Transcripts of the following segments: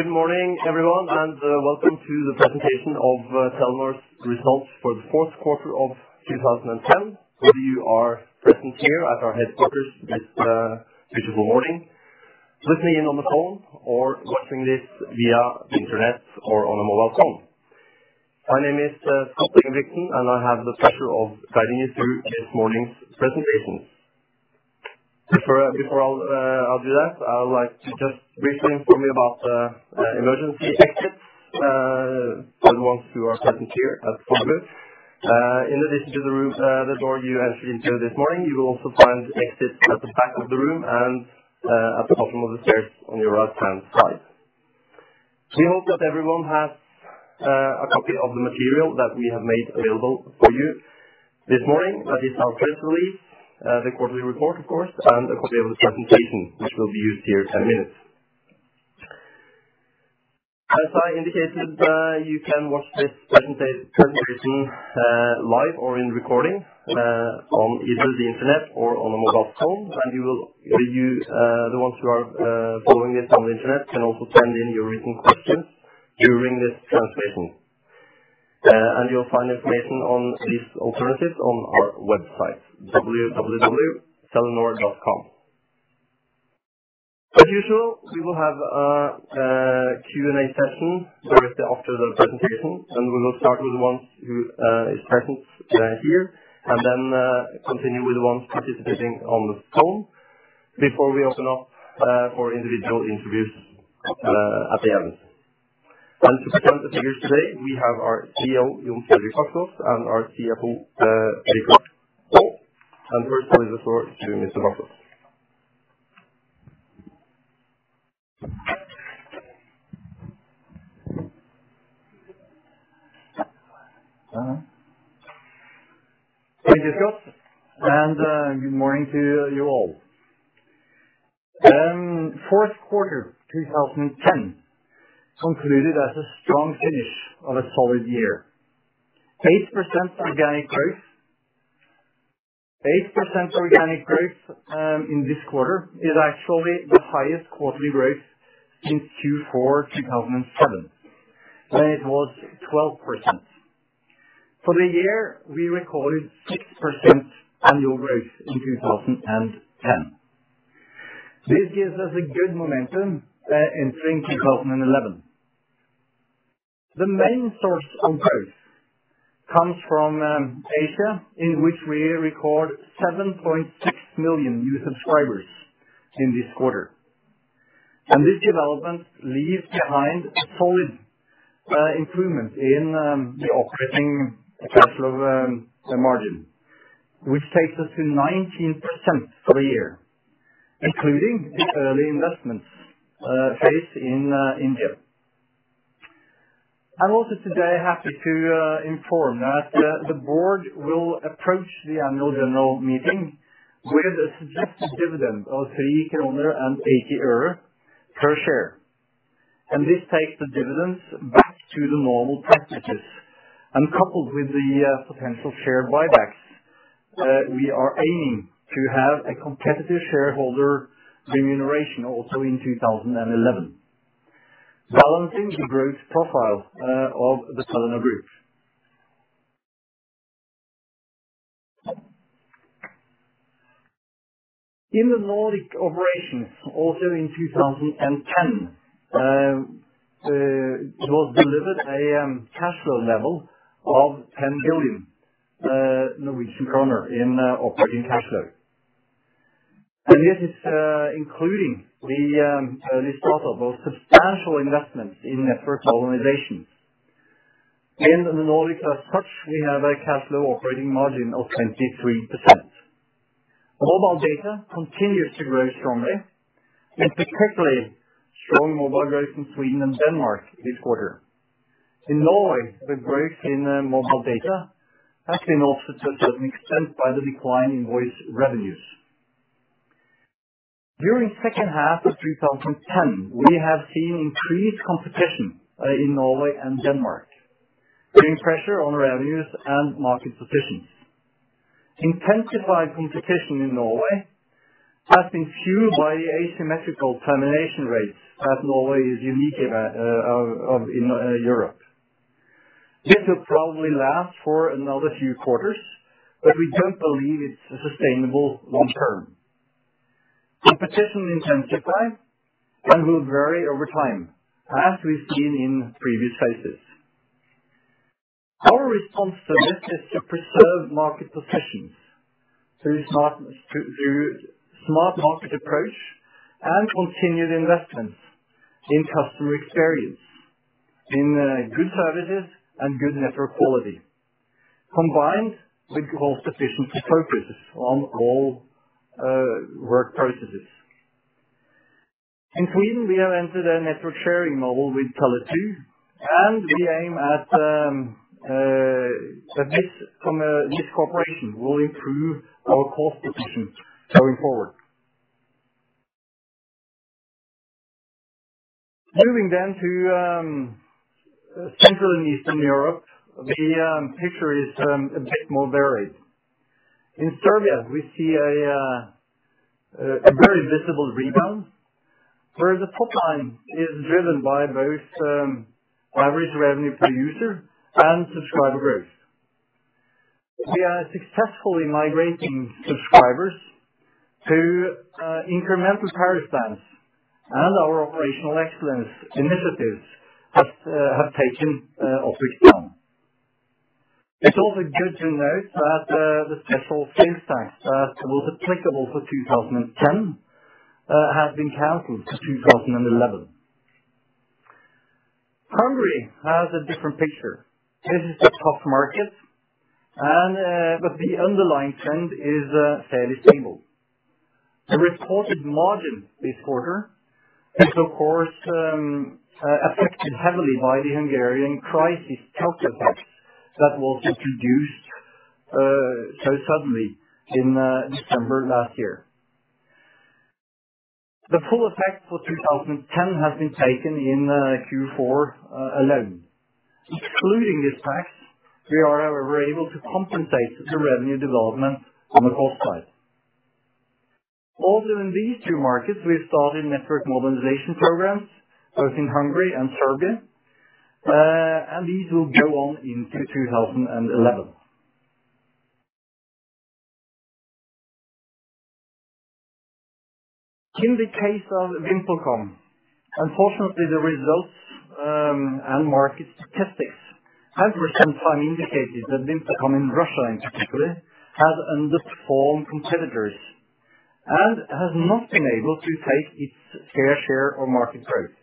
Good morning, everyone, and welcome to the presentation of Telenor's results for the fourth quarter of 2010. So you are present here at our headquarters this beautiful morning. Listening in on the phone or watching this via internet or on a mobile phone. My name is Scott Engebrigtsen, and I have the pleasure of guiding you through this morning's presentation. Before I'll do that, I would like to just briefly inform you about the emergency exits for the ones who are present here. In addition to the room, the door you entered into this morning, you will also find exits at the back of the room and at the bottom of the stairs on your right-hand side. We hope that everyone has a copy of the material that we have made available for you this morning, that is our press release, the quarterly report, of course, and a copy of the presentation, which will be used here in ten minutes. As I indicated, you can watch this presentation live or in recording on either the internet or on a mobile phone, and you, the ones who are following this on the internet can also send in your written questions during this presentation. And you'll find information on these alternatives on our website, www.telenor.com. As usual, we will have a Q&A session directly after the presentation, and we will start with the ones who is present here, and then continue with the ones participating on the phone before we open up for individual interviews at the end. And to present the figures today, we have our CEO, Jon Fredrik Baksaas, and our CFO, Richard Olav Aa. And I first give the floor to Mr. Baksaas. Thank you, Scott, and good morning to you all. Fourth quarter 2010 concluded as a strong finish of a solid year. 8% organic growth, 8% organic growth in this quarter is actually the highest quarterly growth since Q4 2007, when it was 12%. For the year, we recorded 6% annual growth in 2010. This gives us a good momentum entering 2011. The main source of growth comes from Asia, in which we record 7.6 million new subscribers in this quarter. And this development leaves behind a solid improvement in the operating cash flow margin, which takes us to 19% for the year, including the early investments phase in India. I'm also today happy to inform that the board will approach the Annual General Meeting with a suggested dividend of NOK 3.80 per share. This takes the dividends back to the normal practices, and coupled with the potential share buybacks, we are aiming to have a competitive shareholder remuneration also in 2011, balancing the growth profile of the Telenor group. In the Nordic operations, also in 2010, it was delivered a cash flow level of 10 billion Norwegian kroner in operating cash flow. This is including the start of a substantial investment in network modernization. In the Nordic, as such, we have a cash flow operating margin of 23%. Mobile data continues to grow strongly, with particularly strong mobile growth in Sweden and Denmark this quarter. In Norway, the growth in mobile data has been offset to a certain extent by the decline in voice revenues. During second half of 2010, we have seen increased competition in Norway and Denmark, putting pressure on revenues and market positions. Intensified competition in Norway has been fueled by the asymmetrical termination rates, as Norway is unique in Europe. This will probably last for another few quarters, but we don't believe it's sustainable long term. Competition intensified and will vary over time, as we've seen in previous phases. Our response to this is to preserve market positions through smart market approach and continued investments in customer experience, in good services and good network quality, combined with cost efficiency focuses on all work processes. In Sweden, we have entered a network sharing model with Tele2, and we aim at that this cooperation will improve our cost position going forward. Moving then to Central and Eastern Europe, the picture is a bit more varied. In Serbia, we see a very visible rebound, where the top line is driven by both average revenue per user and subscriber growth. We are successfully migrating subscribers to incremental plans, and our operational excellence initiatives have taken off with them. It's also good to note that the special sales tax that was applicable for 2010 has been canceled to 2011. Hungary has a different picture. This is a tough market and but the underlying trend is fairly stable. The reported margin this quarter is, of course, affected heavily by the Hungarian crisis tax effect that was introduced, so suddenly in, December last year. The full effect for 2010 has been taken in, Q4, alone. Excluding this tax, we are able to compensate the revenue development on the cost side. Also, in these two markets, we started network modernization programs, both in Hungary and Serbia, and these will go on into 2011. In the case of VimpelCom, unfortunately, the results, and market statistics have for some time indicated that VimpelCom in Russia, in particularly, has underperformed competitors, and has not been able to take its fair share of market growth.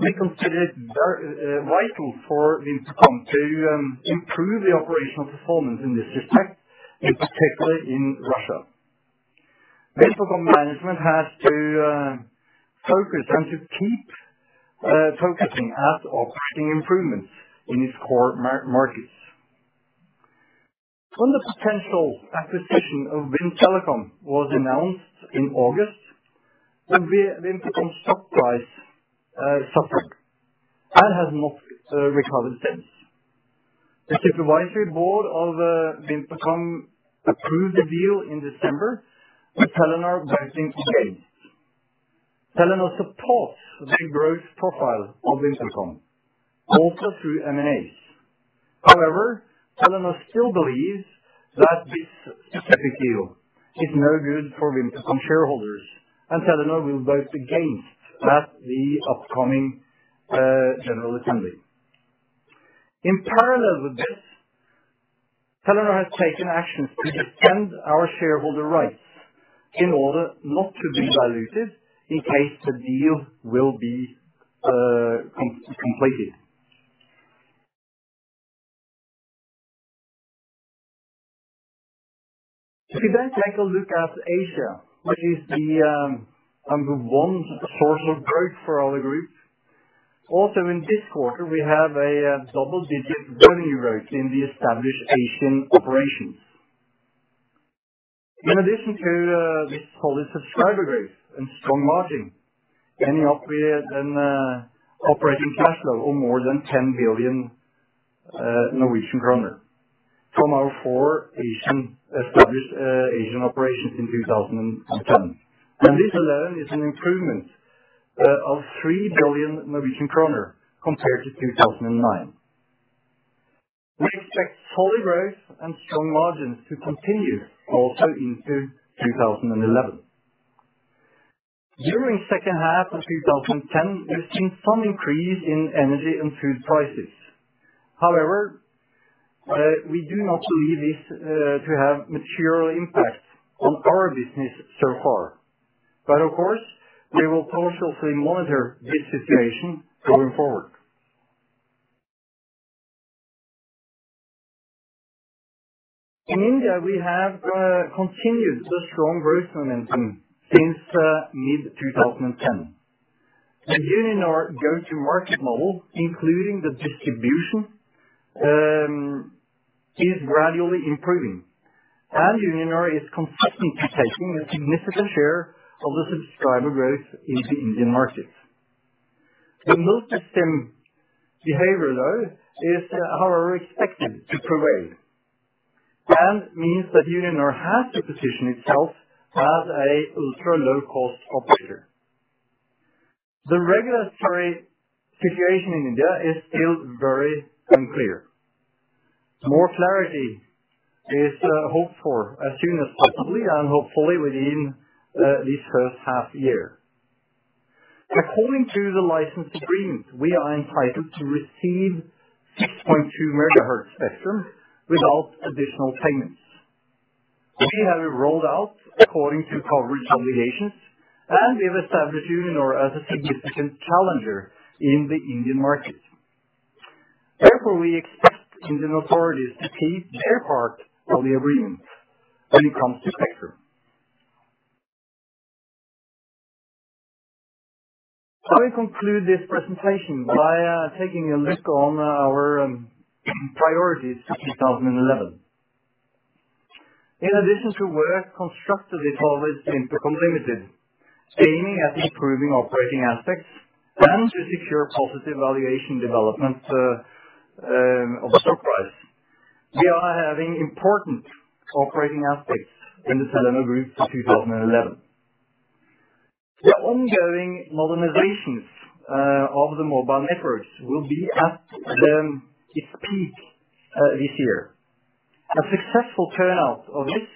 We consider it vital for VimpelCom to, improve the operational performance in this respect, in particularly in Russia. VimpelCom management has to focus and to keep focusing on operational improvements in its core markets. When the potential acquisition of Wind Telecom was announced in August, the VimpelCom stock price suffered and has not recovered since. The Supervisory Board of VimpelCom approved the deal in December, with Telenor voting against. Telenor supports the growth profile of VimpelCom, also through M&As. However, Telenor still believes that this specific deal is no good for VimpelCom shareholders, and Telenor will vote against at the upcoming General Assembly. In parallel with this, Telenor has taken action to defend our shareholder rights in order not to be diluted in case the deal will be completed. We then take a look at Asia, which is the number one source of growth for our group. Also, in this quarter, we have a double-digit revenue growth in the established Asian operations. In addition to this solid subscriber growth and strong margin, ending up with an operating cash flow of more than 10 billion Norwegian kroner from our four established Asian operations in 2010. And this alone is an improvement of 3 billion Norwegian kroner compared to 2009. We expect solid growth and strong margins to continue also into 2011. During second half of 2010, we've seen some increase in energy and food prices. However, we do not believe this to have material impact on our business so far. But of course, we will cautiously monitor this situation going forward. In India, we have continued the strong growth momentum since mid-2010. The Uninor go-to-market model, including the distribution, is gradually improving, and Uninor is consistently taking a significant share of the subscriber growth in the Indian market. The multi-SIM behavior, though, is however expected to prevail, and means that Uninor has to position itself as a ultra-low-cost operator. The regulatory situation in India is still very unclear. More clarity is hoped for as soon as possible, and hopefully within this first half year. According to the license agreement, we are entitled to receive 6.2 megahertz spectrum without additional payments. We have it rolled out according to coverage obligations, and we have established Uninor as a significant challenger in the Indian market. Therefore, we expect Indian authorities to keep their part of the agreement when it comes to spectrum. I will conclude this presentation by taking a look on our priorities for 2011. In addition to work constructively towards VimpelCom Limited aiming at improving operating aspects and to secure positive valuation development of the stock price. We are having important operating aspects in the Telenor company group for 2011. The ongoing modernizations of the mobile networks will be at its peak this year. A successful turnout of this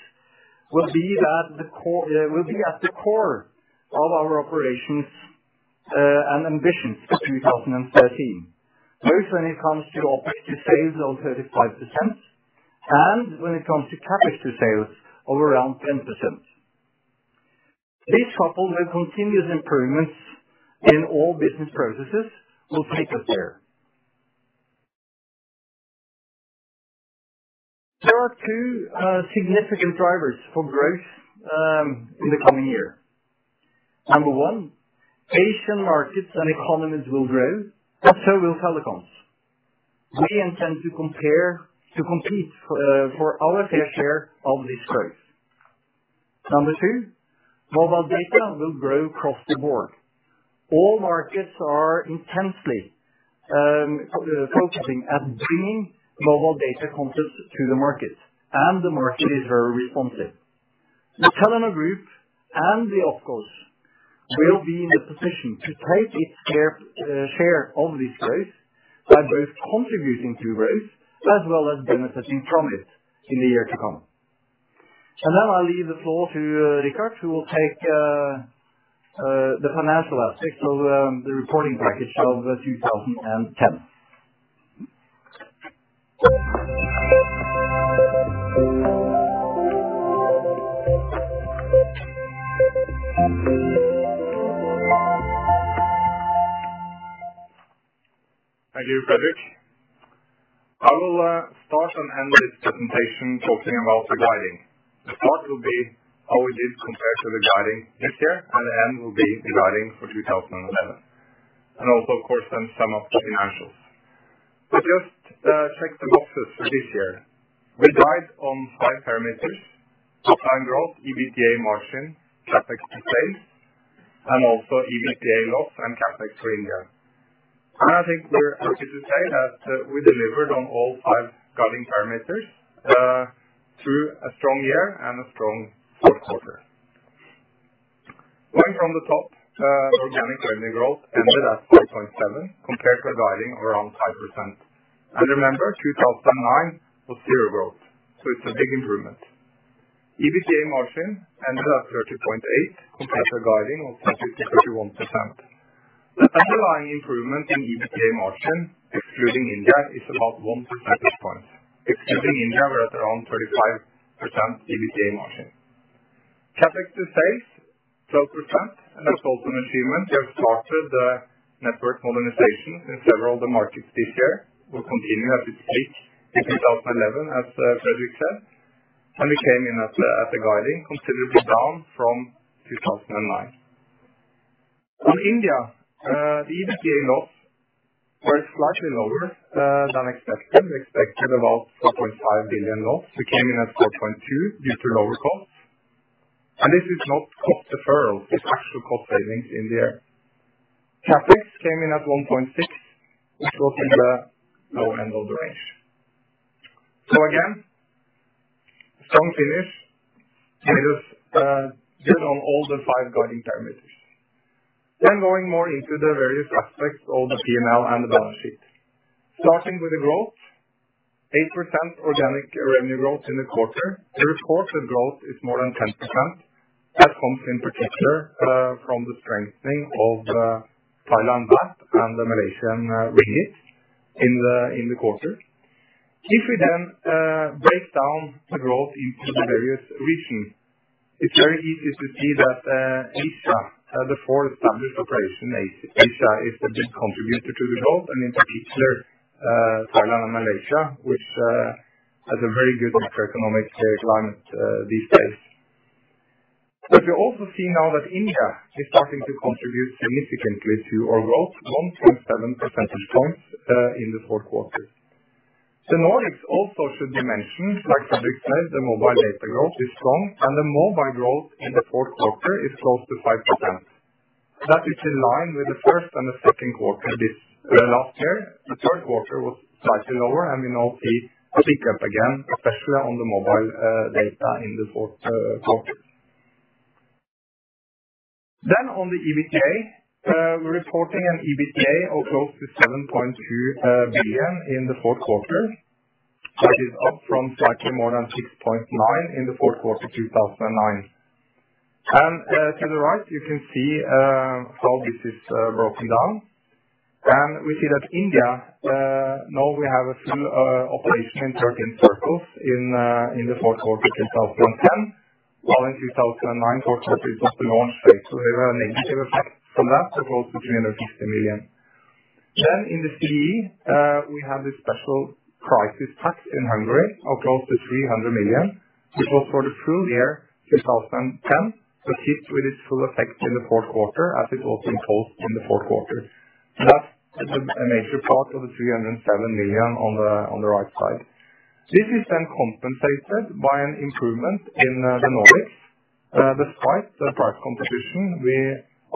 will be that the core will be at the core of our operations and ambitions for 2013. Both when it comes to operating margin of 35% and when it comes to CapEx to sales of around 10%. This, coupled with continuous improvements in all business processes, will take us there. There are two significant drivers for growth in the coming year. Number one, Asian markets and economies will grow, and so will telecoms. We intend to compare, to compete for our fair share of this growth. Number two, mobile data will grow across the board. All markets are intensely focusing at bringing mobile data content to the market, and the market is very responsive. The Telenor Group and the units will be in a position to take its fair share of this growth by both contributing to growth as well as benefiting from it in the year to come. Now I leave the floor to Richard, who will take the financial aspects of the reporting package of 2010. Thank you, Fredrik. I will start and end this presentation talking about the guidance. The start will be how we did compared to the guidance this year, and the end will be the guidance for 2011. Also, of course, then sum up the financials. Just check the boxes for this year. We did on five parameters: top line growth, EBITDA margin, CapEx to sales, and also EBITDA loss and CapEx to India. I think we're happy to say that we delivered on all five guidance parameters through a strong year and a strong fourth quarter. Going from the top, organic revenue growth ended at 4.7%, compared to a guidance around 5%. Remember, 2009 was zero growth, so it's a big improvement. EBITDA margin ended at 30.8, compared to a guiding of 30%-31%. The underlying improvement in EBITDA margin, excluding India, is about one percentage point. Excluding India, we're at around 35% EBITDA margin. CapEx to sales, 12%, and that's also an achievement. We have started the network modernization in several of the markets this year, will continue at its peak in 2011, as Fredrik said, and we came in at the guiding, considerably down from 2009. On India, the EBITDA loss was slightly lower than expected. We expected about 4.5 billion loss. We came in at 4.2 billion due to lower costs, and this is not cost deferral, it's actual cost savings in there. CapEx came in at 1.6 billion, which was in the low end of the range. So again, strong finish, and just did on all the five guiding parameters. Then going more into the various aspects of the P&L and the balance sheet. Starting with the growth, 8% organic revenue growth in the quarter. The reported growth is more than 10%. That comes in particular from the strengthening of Thai baht and the Malaysian ringgit in the quarter. If we then break down the growth into the various regions, it's very easy to see that Asia, the fourth largest operation in Asia, is a big contributor to the growth, and in particular, Thailand and Malaysia, which has a very good macroeconomic climate these days. But you also see now that India is starting to contribute significantly to our growth, 1.7 percentage points in the fourth quarter. The Nordics also should be mentioned, like Fredrik said, the mobile data growth is strong, and the mobile growth in the fourth quarter is close to 5%. That is in line with the first and the second quarter this last year. The third quarter was slightly lower, and we now see a pick up again, especially on the mobile data in the fourth quarter. Then on the EBITDA, we're reporting an EBITDA of close to 7.2 billion in the fourth quarter. That is up from slightly more than 6.9 billion in the fourth quarter, 2009. To the right, you can see how this is broken down. We see that India now we have a full operation in our circles in the fourth quarter of 2010. While in 2009 fourth quarter, it was the launch phase, so we have a negative effect from that of close to 350 million. Then in CEE, we have this special crisis tax in Hungary of close to 300 million, which was for the full year, 2010, but hit with its full effect in the fourth quarter, as it was imposed in the fourth quarter. And that is a major part of the 307 million on the, on the right side. This is then compensated by an improvement in the Nordics. Despite the price competition, we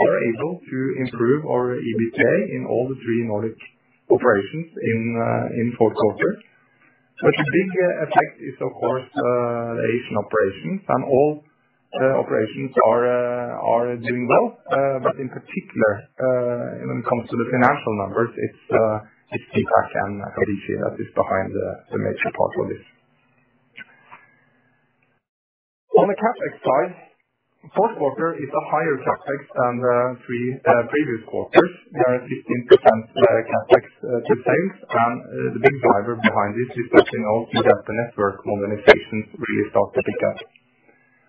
are able to improve our EBITDA in all the three Nordic operations in fourth quarter. But the big effect is, of course, the Asian operations, and all the operations are doing well. But in particular, when it comes to the financial numbers, it's dtac and DiGi that is behind the major part of this. On the CapEx side, fourth quarter is a higher CapEx than the three previous quarters. We have 15% CapEx to sales, and the big driver behind it is that, you know, we have the network modernization really start to pick up.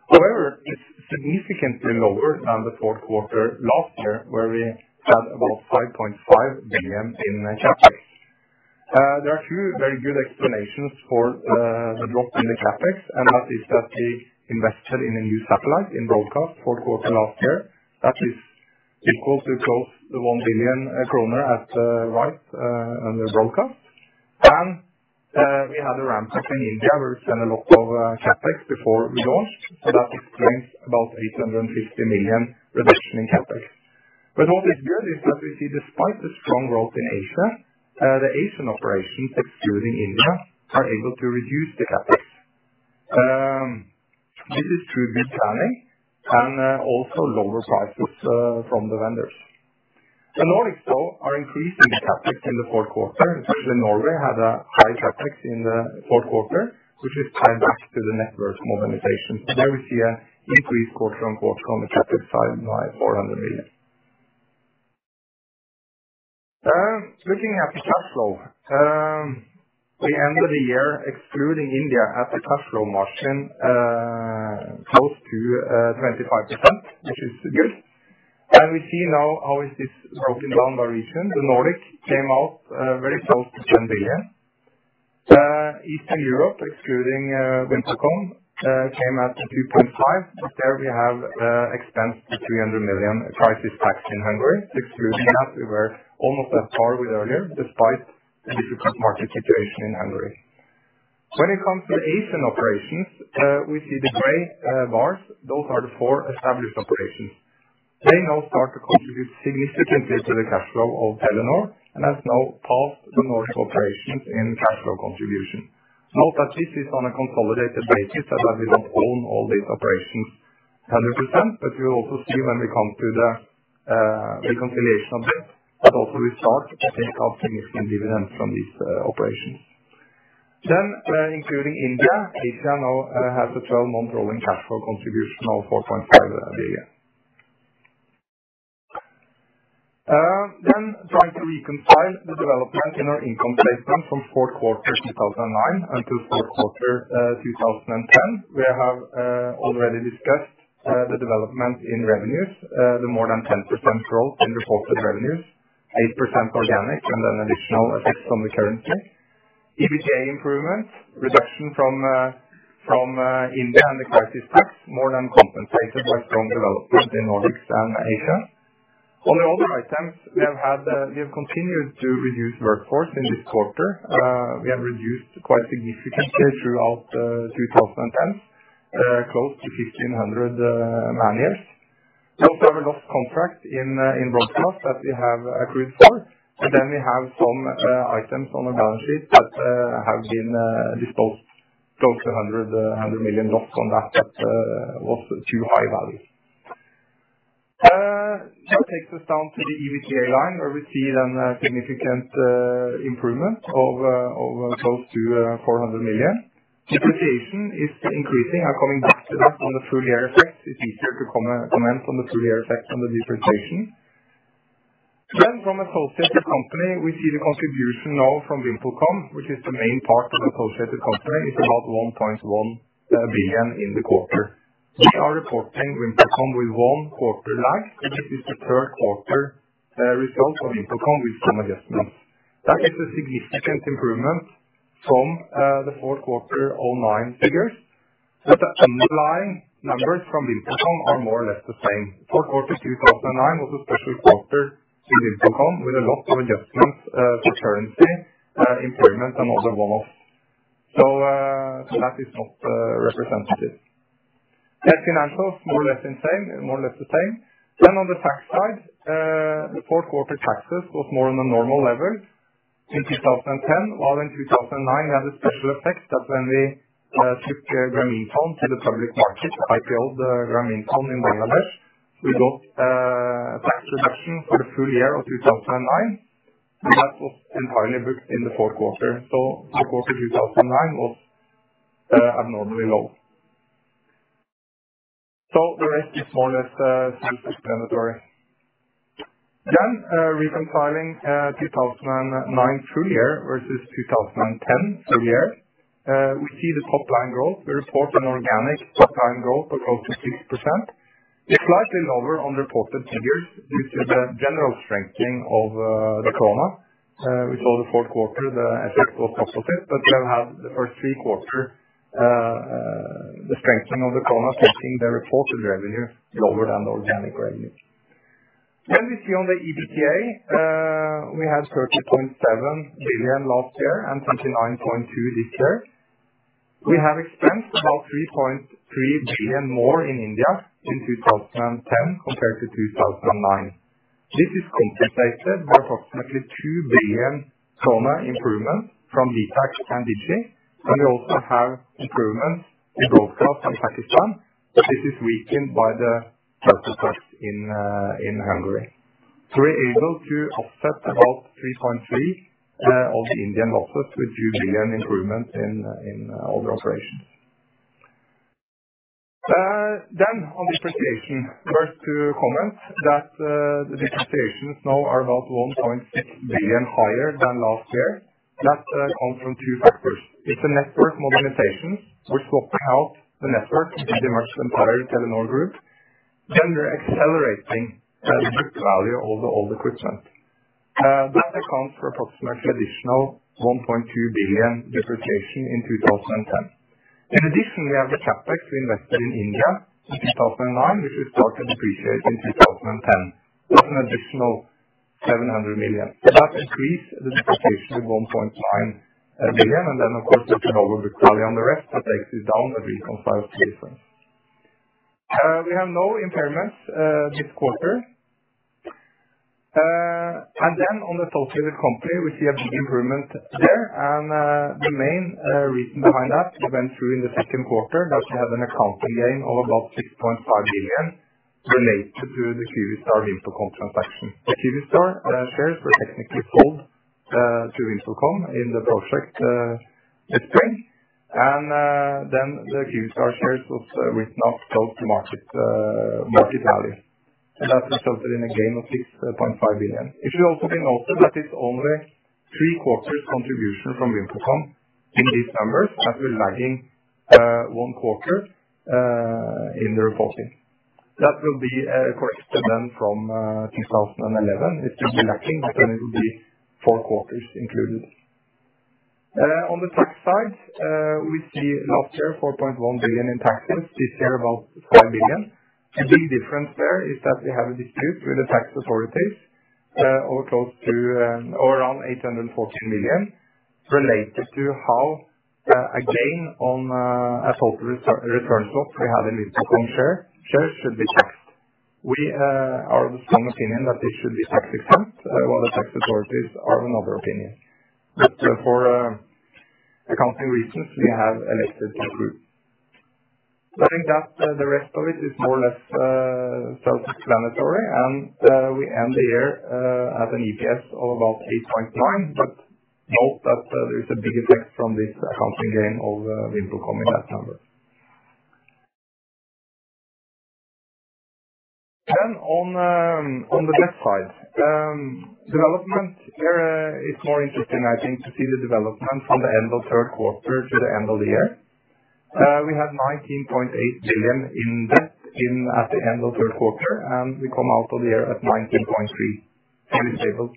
However, it's significantly lower than the fourth quarter last year, where we had about 5.5 billion in CapEx. There are two very good explanations for the drop in the CapEx, and that is that we invested in a new satellite in broadcast fourth quarter last year. That is equal to close to 1 billion kroner at right under broadcast. And we had a ramp up in India, where we spent a lot of CapEx before we launched. So that explains about 850 million reduction in CapEx. But what is good is that we see, despite the strong growth in Asia, the Asian operations, excluding India, are able to reduce the CapEx. This is through good planning and also lower prices from the vendors. The Nordics, though, are increasing the CapEx in the fourth quarter, especially Norway had a high CapEx in the fourth quarter, which is tied back to the network modernization. So there we see a increased quarter-over-quarter on the CapEx side by 400 million. Looking at the cash flow. We ended the year excluding India, at the cash flow margin, close to 25%, which is good. We see now how is this broken down by region. The Nordic came out very close to 10 billion. Eastern Europe, excluding VimpelCom, came at a 2.5, but there we have expense to 300 million crisis tax in Hungary. Excluding that, we were almost at par with earlier, despite the difficult market situation in Hungary. When it comes to the Asian operations, we see the gray bars. Those are the four established operations. They now start to contribute significantly to the cash flow of Telenor, and have now passed the Nordic operations in cash flow contribution. Note that this is on a consolidated basis, so that we don't own all these operations 100%. But you also see when we come to the reconciliation of this, that also we start getting significant dividends from these operations. Then, including India, India now has a twelve-month rolling cash flow contribution of 4.5 billion. Then trying to reconcile the development in our income statement from fourth quarter 2009 until fourth quarter 2010. We have already discussed the development in revenues. The more than 10% growth in reported revenues, 8% organic, and an additional effects on the currency. EBITDA improvement, reduction from India and the crisis tax, more than compensated by strong development in Nordics and Asia. On the other items, we have had, we have continued to reduce workforce in this quarter. We have reduced quite significantly throughout 2010 close to 1,500 man-years. We also have a lost contract in broadcast that we have accrued for. But then we have some items on the balance sheet that have been disposed. Close to 100 million loss on that that was too high value. That takes us down to the EBITDA line, where we see then a significant improvement of over close to 400 million. Depreciation is increasing. I coming back to that on the full year effect, it's easier to comment on the full year effect on the depreciation. Then from associated company, we see the contribution now from VimpelCom, which is the main part of associated company, is about 1.1 billion in the quarter. We are reporting VimpelCom with one quarter lag, so this is the third quarter result from VimpelCom with some adjustments. That is a significant improvement from the fourth quarter 2009 figures. But the underlying numbers from VimpelCom are more or less the same. Fourth quarter 2009 was a special quarter to VimpelCom, with a lot of adjustments for currency improvement, and other one-offs. So that is not representative. Then financials, more or less the same, more or less the same. Then on the tax side, the fourth quarter taxes was more on the normal level in 2010. While in 2009, we had a special effect that when we took Grameenphone to the public market, IPO the Grameenphone in Bangladesh, we got a tax reduction for the full year of 2009. And that was entirely booked in the fourth quarter. So fourth quarter 2009 was abnormally low. So the rest is more or less self-explanatory. Then, reconciling 2009 full year versus 2010 full year, we see the top line growth. We report an organic top line growth of close to 6%. It's slightly lower on reported figures, due to the general strengthening of the krona. We saw the fourth quarter, the effect was positive, but we have had the first three quarters, the strengthening of the krona affecting the reported revenue lower than organic revenue. Then we see on the EBITDA, we have 30.7 billion last year and 39.2 billion this year. We have expensed about 3.3 billion more in India in 2010 compared to 2009. This is compensated by approximately 2 billion improvement from Grameenphone and DiGi, and we also have improvements in broadcast and Pakistan, but this is weakened by the purchase price in, in Hungary. So we're able to offset about 3.3 billion of the Indian losses, which will be an improvement in, in all the operations. Then on depreciation, first to comment that, the depreciations now are about 1.6 billion higher than last year. That comes from 2 factors. It's a network modernization. We're swapping out the network pretty much entire Telenor Group, then we're accelerating the book value of the old equipment. That accounts for approximately additional 1.2 billion depreciation in 2010. In addition, we have the CapEx we invested in India in 2009, which we started depreciate in 2010. That's an additional 700 million. So that increased the depreciation to 1.9 billion and then, of course, the turnover book value on the rest, that takes it down to reconcile statement. We have no impairments this quarter. And then on the associated company, we see have improvement there, and, the main, reason behind that, we went through in the second quarter, that we have an accounting gain of about 6.5 billion related to the Kyivstar VimpelCom transaction. The Kyivstar, shares were technically sold, to VimpelCom in the project, this spring. And, then the Kyivstar shares was written off close to market, market value, and that resulted in a gain of 6.5 billion. You should also note that it's only three quarters contribution from VimpelCom in these numbers, as we're lagging, one quarter, in the reporting. That will be, corrected then from, 2011. It will be lagging, but then it will be four quarters included. On the tax side, we see last year 4.1 billion in taxes, this year, about 5 billion. A big difference there is that we have a dispute with the tax authorities, of close to, around 814 million related to how, a gain on, a total return swap we have in VimpelCom shares should be taxed. We, are of the strong opinion that this should be tax exempt, while the tax authorities are of another opinion. But for, accounting reasons, we have elected to approve. I think that, the rest of it is more or less, self-explanatory, and, we end the year, at an EPS of about 8.9. But note that, there is a big effect from this accounting gain of, VimpelCom in that number. Then on the debt side, development here, it's more interesting, I think, to see the development from the end of third quarter to the end of the year. We had 19.8 billion in debt at the end of third quarter, and we come out of the year at 19.3 billion.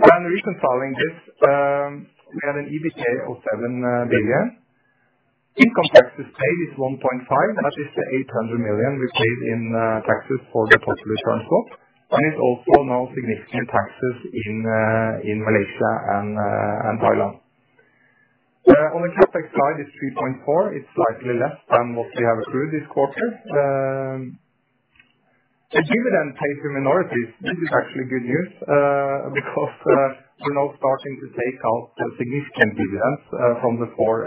And reconciling this, we had an EBITDA of 7 billion. Income taxes paid is 1.5 billion, and that is the 800 million we paid in taxes for the total return swap, and it's also now significant taxes in Malaysia and Thailand. On the CapEx side, it's 3.4 billion. It's slightly less than what we have accrued this quarter. The dividend paid to minorities, this is actually good news, because we're now starting to take out significant dividends from the four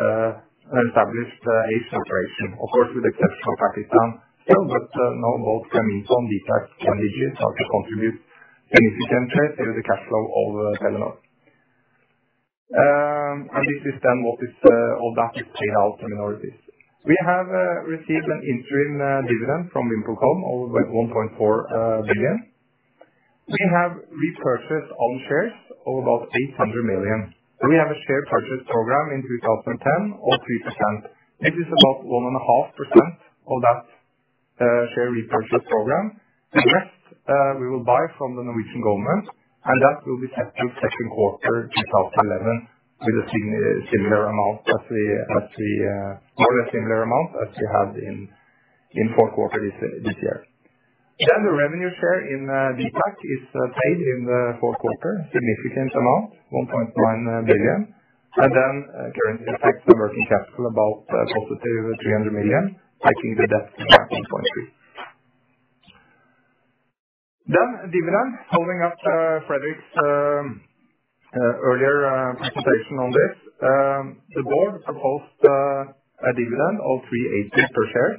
established Asia operation. Of course, with the exception of Pakistan. But now, both VimpelCom, Grameenphone and DiGi start to contribute significantly to the cash flow of Telenor. And this is then what is all that is paid out to minorities. We have received an interim dividend from VimpelCom of 1.4 billion. We have repurchased own shares of about 800 million. We have a share purchase program in 2010 of 3%. It is about 1.5% of that share repurchase program. The rest, we will buy from the Norwegian government, and that will be set to second quarter 2011, with a similar amount as the more or less similar amount as we had in fourth quarter this year. Then the revenue share in Grameenphone is paid in the fourth quarter, significant amount, 1.9 billion, and then current effect on working capital, about positive 300 million, taking the debt to 3.3 billion. Then dividend. Following up on Fredrik's earlier presentation on this. The board proposed a dividend of 3.80 per share.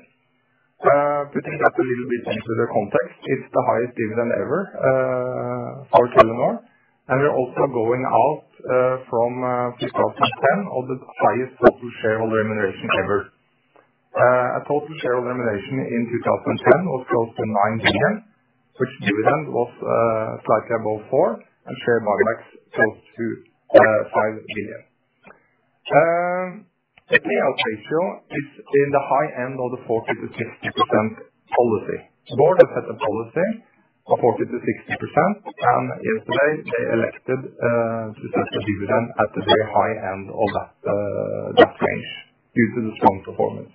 Putting that a little bit into the context, it's the highest dividend ever for Telenor. And we're also going out from 2010 of the highest total shareholder remuneration ever. A total shareholder remuneration in 2010 was close to 9 billion, which dividend was slightly above 4 billion, and share buybacks close to 5 billion. The payout ratio is in the high end of the 40%-60% policy. The board has set a policy of 40%-60%, and yesterday they elected to set a dividend at the very high end of that range due to the strong performance.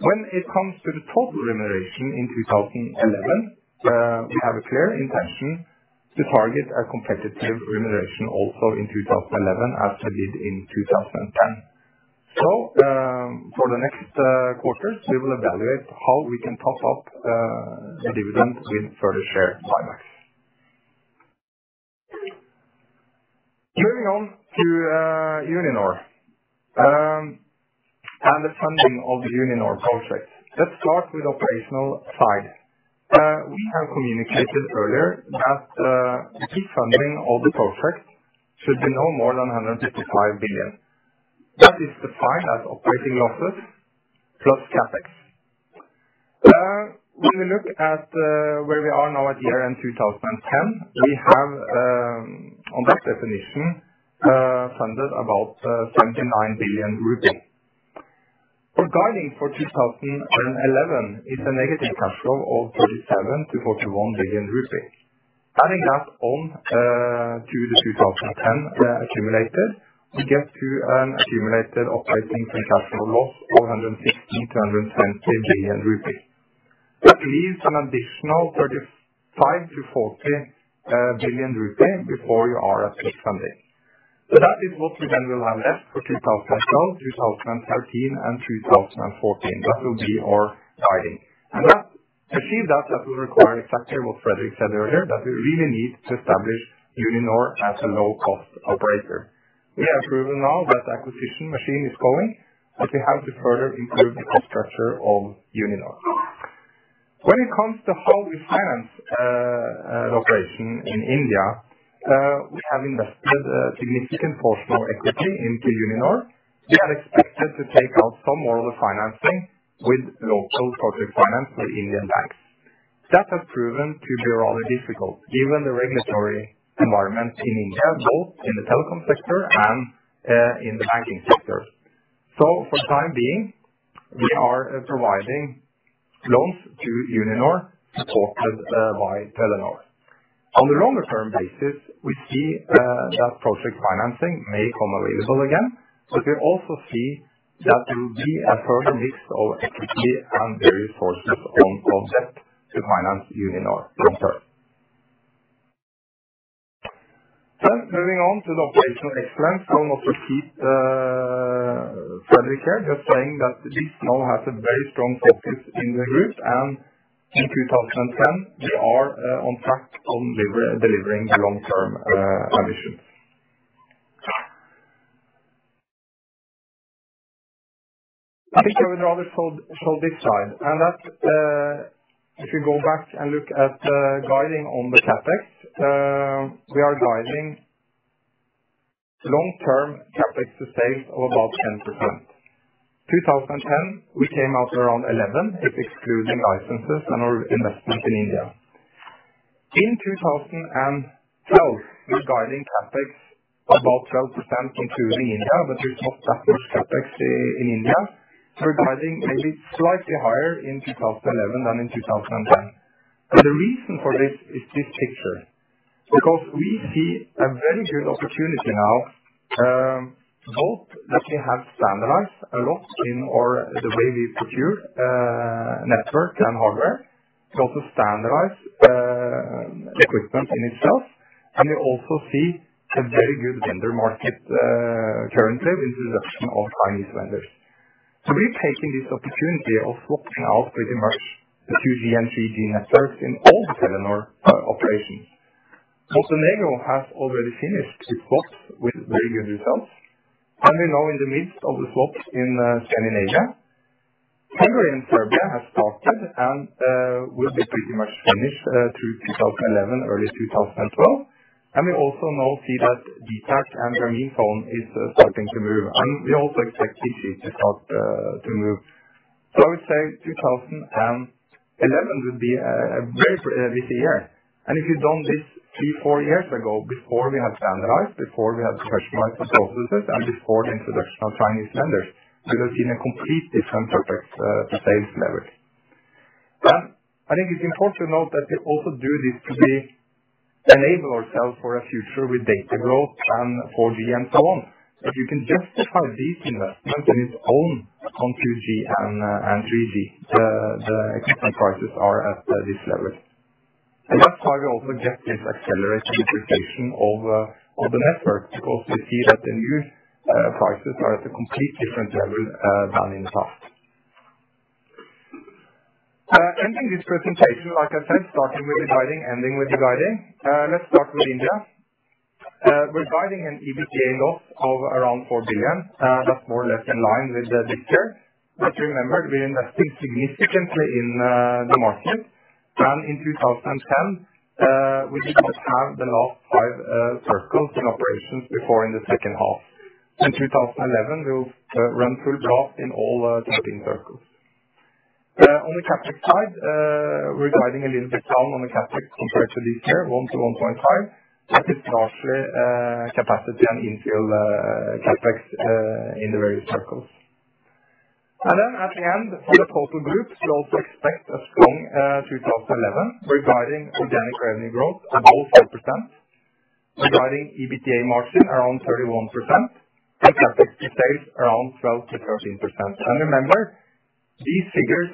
When it comes to the total remuneration in 2011, we have a clear intention to target our competitive remuneration also in 2011, as we did in 2010. So, for the next quarter, we will evaluate how we can top up the dividend with further share buybacks. Turning on to Uninor, and the funding of the Uninor project. Let's start with operational side. We have communicated earlier that the key funding of the project should be no more than 155 billion. That is defined as operating losses, plus CapEx. When we look at where we are now at year-end 2010, we have on that definition funded about 79 billion rupees. Regarding for 2011, it's a negative cash flow of 37-41 billion rupees. Adding that on to the 2010 accumulator, we get to an accumulated operating and cash flow loss of 160-170 billion rupees. That leaves an additional 35-40 billion rupees before you are at full funding. So that is what we then will have left for 2012, 2013, and 2014. That will be our guiding. And that, to achieve that, that will require exactly what Fredrik said earlier, that we really need to establish Uninor as a low cost operator. We have proven now that the acquisition machine is going, but we have to further improve the cost structure of Uninor. When it comes to how we finance an operation in India, we have invested a significant portion of our equity into Uninor. We had expected to take out some more of the financing with local project finance by Indian banks. That has proven to be rather difficult given the regulatory environment in India, both in the telecom sector and in the banking sector. So for the time being, we are providing loans to Uninor, supported by Telenor. On the longer term basis, we see that project financing may come available again, but we also see that there will be a further mix of equity and various sources on debt to finance Uninor long term. Then moving on to the operational excellence, I will also keep Fredrik here, just saying that this now has a very strong focus in the group, and in 2010, we are on track delivering long-term ambitions. I think I would rather show this slide, and that if you go back and look at guiding on the CapEx, we are guiding long-term CapEx to sales of about 10%. 2010, we came out around 11, if excluding licenses and our investment in India. In 2012, we're guiding CapEx about 12%, including India, but we in India, so we're guiding maybe slightly higher in 2011 than in 2010. The reason for this is this picture, because we see a very good opportunity now, both that we have standardized a lot in our, the way we procure, network and hardware, to also standardize, the equipment in itself. And we also see a very good vendor market, currently with the introduction of Chinese vendors. So we're taking this opportunity of swapping out pretty much the 2G and 3G networks in all the Telenor, operations. Montenegro has already finished its swap with very good results, and we're now in the midst of the swap in Scandinavia. Hungary and Serbia have started and will be pretty much finished through 2011, early 2012. We also now see that dtac and Grameenphone is starting to move, and we also expect True to start to move. So I would say 2011 would be a very busy year. If you've done this three, four years ago, before we had standardized, before we had professionalized the processes, and before the introduction of Chinese vendors, we would see a complete different CapEx to sales leverage. But I think it's important to note that we also do this to enable ourselves for a future with data growth and 4G and so on. If you can justify these investments in its own on 2G and and 3G, the, the equipment prices are at this level. And that's why we also get this accelerated modernization of of the network, because we see that the new prices are at a complete different level than in the past. Ending this presentation, like I said, starting with the guiding, ending with the guiding. Let's start with India. We're guiding an EBITDA loss of around 4 billion, that's more or less in line with the picture. But remember, we're investing significantly in the market, and in 2010, we did not have the last five circles in operations before in the second half. In 2011, we'll run full through in all 13 circles. On the CapEx side, we're guiding a little bit down on the CapEx compared to this year, 1-1.5. That is largely capacity and infill CapEx in the various circles. And then at the end, for the total group, we also expect a strong 2011. We're guiding organic revenue growth above 4%. ...guiding EBITDA margin around 31%, and CapEx stays around 12%-13%. And remember, these figures,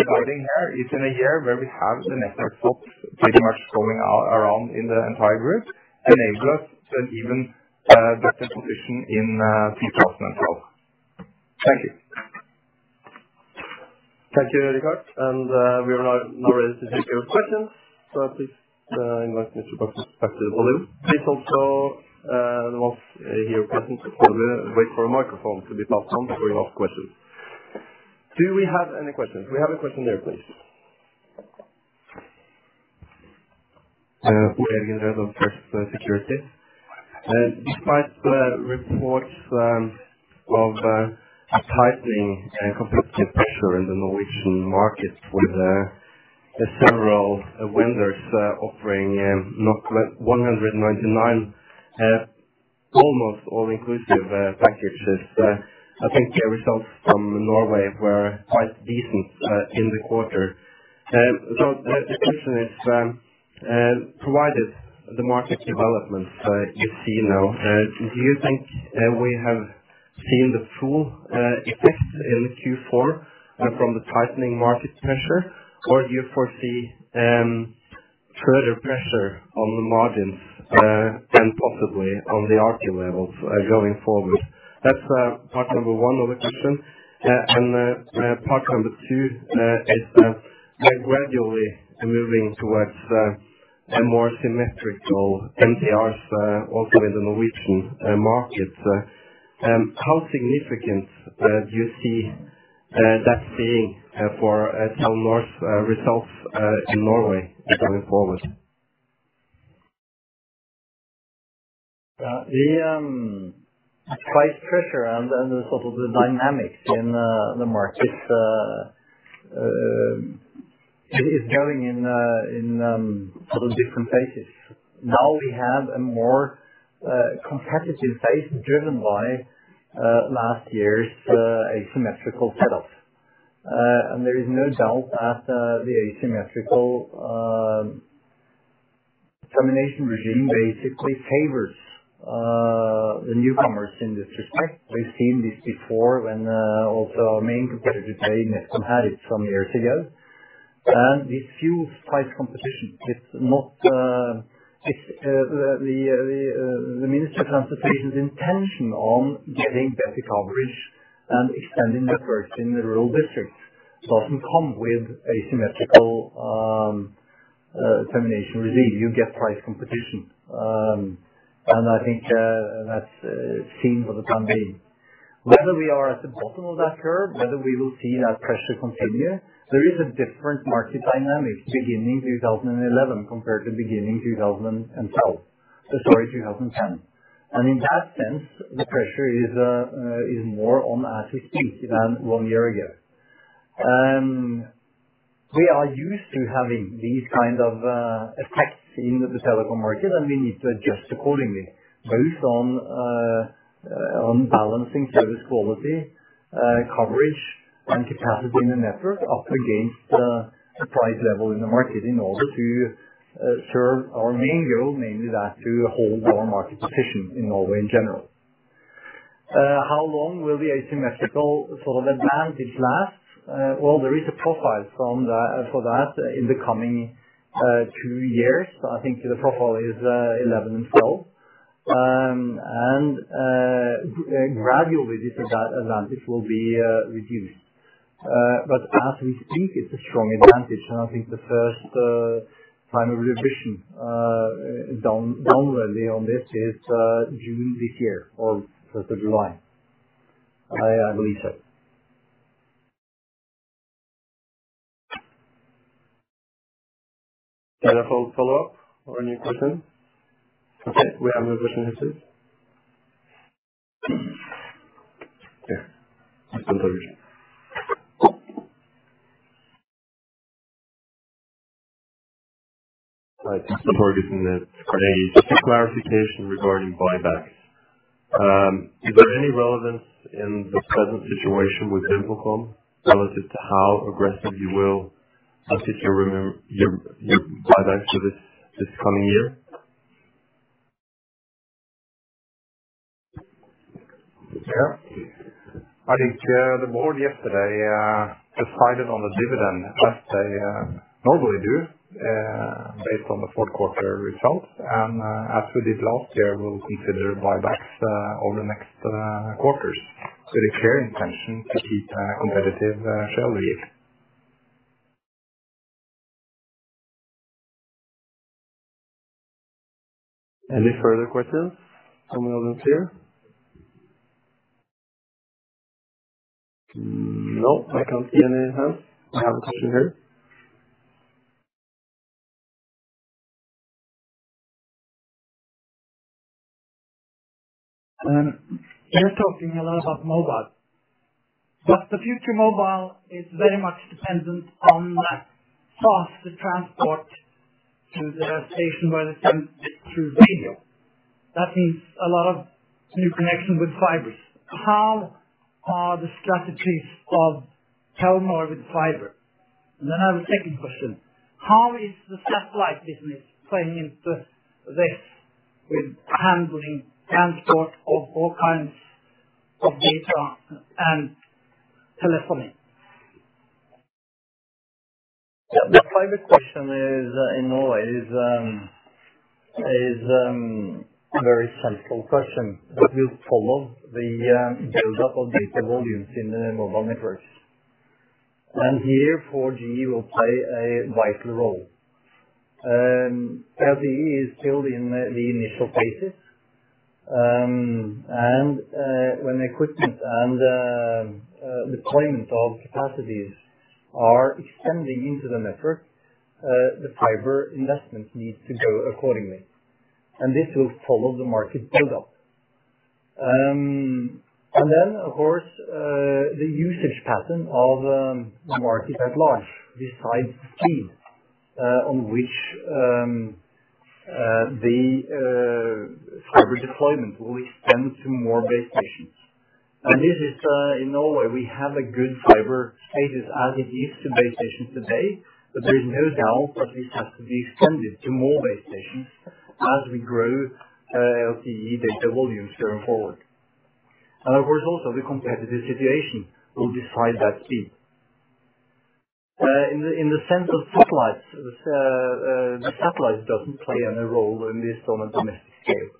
dividing here is in a year where we have the network swaps pretty much going out around in the entire group, enable us to an even, better position in, 2012. Thank you. Thank you, Richard. We are now ready to take your questions. So, please, I invite Mr. [inaudible] Please also, once here present, wait for a microphone to be passed on before you ask questions. Do we have any questions? We have a question there, please. We have Security. Despite the reports of tightening and competitive pressure in the Norwegian market with several vendors offering not 199 almost all inclusive packages. I think the results from Norway were quite decent in the quarter. So the question is, provided the market developments you see now, do you think we have seen the full effect in Q4 from the tightening market pressure? Or do you foresee further pressure on the margins and possibly on the RP levels going forward? That's part number one of the question. And part number two is, we're gradually moving towards a more symmetrical MTRs also in the Norwegian markets. How significant do you see that being for Telenor's results in Norway going forward? The price pressure and the sort of the dynamics in the market is going in sort of different phases. Now we have a more competitive phase driven by last year's asymmetrical setup. And there is no doubt that the asymmetrical termination regime basically favors the newcomers in this respect. We've seen this before when also our main competitor today, NetCom, had it some years ago. And we saw price competition, it's not the Minister of Transportation's intention on getting better coverage and extending network in the rural districts. Doesn't come with asymmetrical termination regime. You get price competition. And I think that's seen for the time being. Whether we are at the bottom of that curve, whether we will see that pressure continue, there is a different market dynamic beginning 2011 compared to beginning 2012. So sorry, 2010. And in that sense, the pressure is more on as we speak than one year ago. And we are used to having these kind of effects in the telecom market, and we need to adjust accordingly, both on balancing service quality, coverage and capacity in the network, up against the price level in the market in order to serve our main goal, mainly that to hold our market position in Norway in general. How long will the asymmetrical sort of advantage last? Well, there is a profile from that for that in the coming 2 years. I think the profile is 11 and 12. Gradually this of that advantage will be reduced. But as we speak, it's a strong advantage, and I think the first final revision down really on this is June this year or July. I believe so. Any follow-up or a new question? Okay, we have no question here. Yeah. Hi, just supporting the just clarification regarding buyback. Is there any relevance in the present situation with injunction relative to how aggressive you will pursue your buyback for this coming year? Yeah. I think the board yesterday decided on the dividend, as they normally do, based on the fourth quarter results. As we did last year, we'll consider buybacks over the next quarters. The clear intention to keep a competitive share returns. Any further questions from anyone here? No, I can't see any hands. I have a question here. You're talking a lot about mobile. But the future mobile is very much dependent on faster transport to the station, where they can get through radio. That means a lot of new connection with fibers. How are the strategies of Telenor with fiber? ...And then I have a second question: How is the satellite business playing into this, with handling transport of all kinds of data and telephony? Yeah, the fiber question is in Norway a very central question, but we follow the build up of data volumes in the mobile networks. And here, 4G will play a vital role. LTE is still in the initial phases. And when equipment and the deployment of capacities are extending into the network, the fiber investment needs to go accordingly, and this will follow the market build up. And then of course, the usage pattern of the market at large, besides speed, on which the fiber deployment will extend to more base stations. This is, in Norway, we have a good fiber status as it is to base stations today, but there's no doubt that this has to be extended to more base stations as we grow, LTE data volumes going forward. And of course, also the competitive situation will decide that key. In the sense of satellites, the satellite doesn't play any role in this on a domestic scale.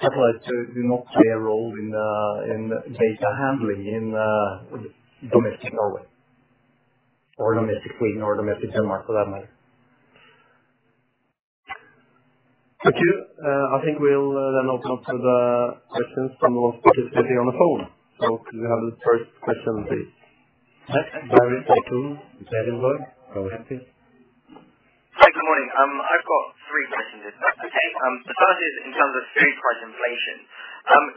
Satellites do not play a role in data handling in domestic Norway, or domestically, nor domestically Denmark, for that matter. Thank you. I think we'll then open up to the questions from those participating on the phone. So could we have the first question, please? Hi, inaudible. Hi, good morning. I've got three questions if that's okay. The first is in terms of food price inflation.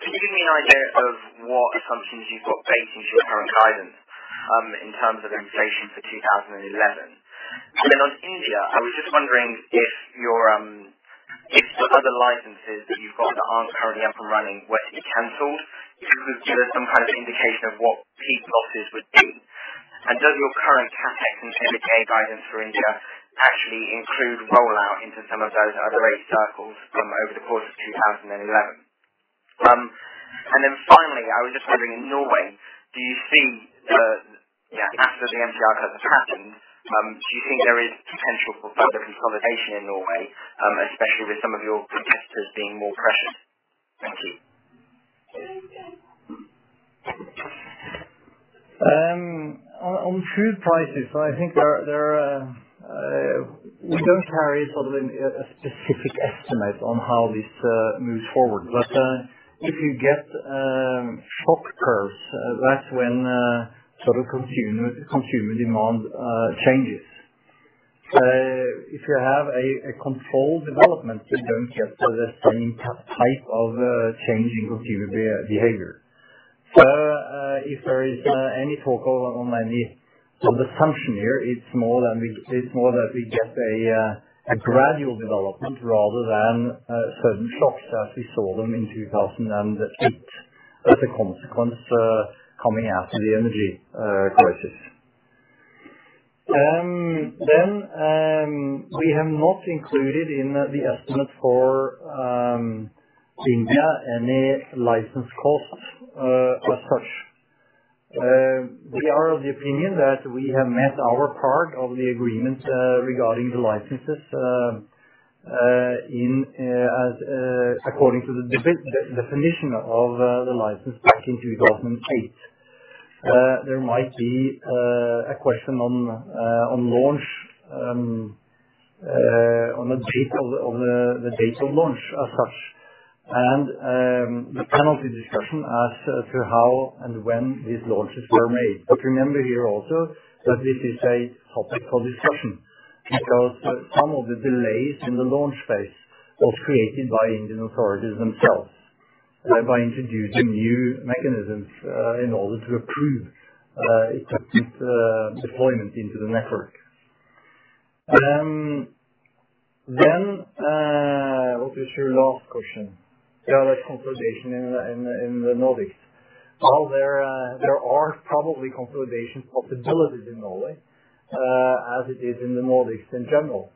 Can you give me an idea of what assumptions you've got baked into your current guidance, in terms of inflation for 2011? And then on India, I was just wondering if your, if the other licenses that you've got that aren't currently up and running were to be canceled, could you give us some kind of indication of what peak losses would be? And does your current CapEx and CapEx guidance for India actually include rollout into some of those other eight circles from over the course of 2011? Finally, I was just wondering, in Norway, do you think the, yeah, after the MTR cuts have happened, do you think there is potential for further consolidation in Norway, especially with some of your competitors being more pressured? Thank you. On food prices, I think there we don't carry sort of a specific estimate on how this moves forward. But if you get shock curves, that's when sort of consumer demand changes. If you have a controlled development, you don't get the same type of change in consumer behavior. If there is any focus on any of the assumption here, it's more than we—it's more that we get a gradual development rather than certain shocks as we saw them in 2008, as a consequence, coming out of the energy crisis. Then we have not included in the estimate for India any license costs as such. We are of the opinion that we have met our part of the agreement regarding the licenses according to the definition of the license back in 2008. There might be a question on the date of launch, as such. And the penalty discussion as to how and when these launches were made. But remember here also, that this is a topic for discussion, because some of the delays in the launch phase were created by Indian authorities themselves by introducing new mechanisms in order to approve deployment into the network. Then, what was your last question? Yeah, the consolidation in the Nordics. Well, there are probably consolidation possibilities in Norway, as it is in the Nordics in general.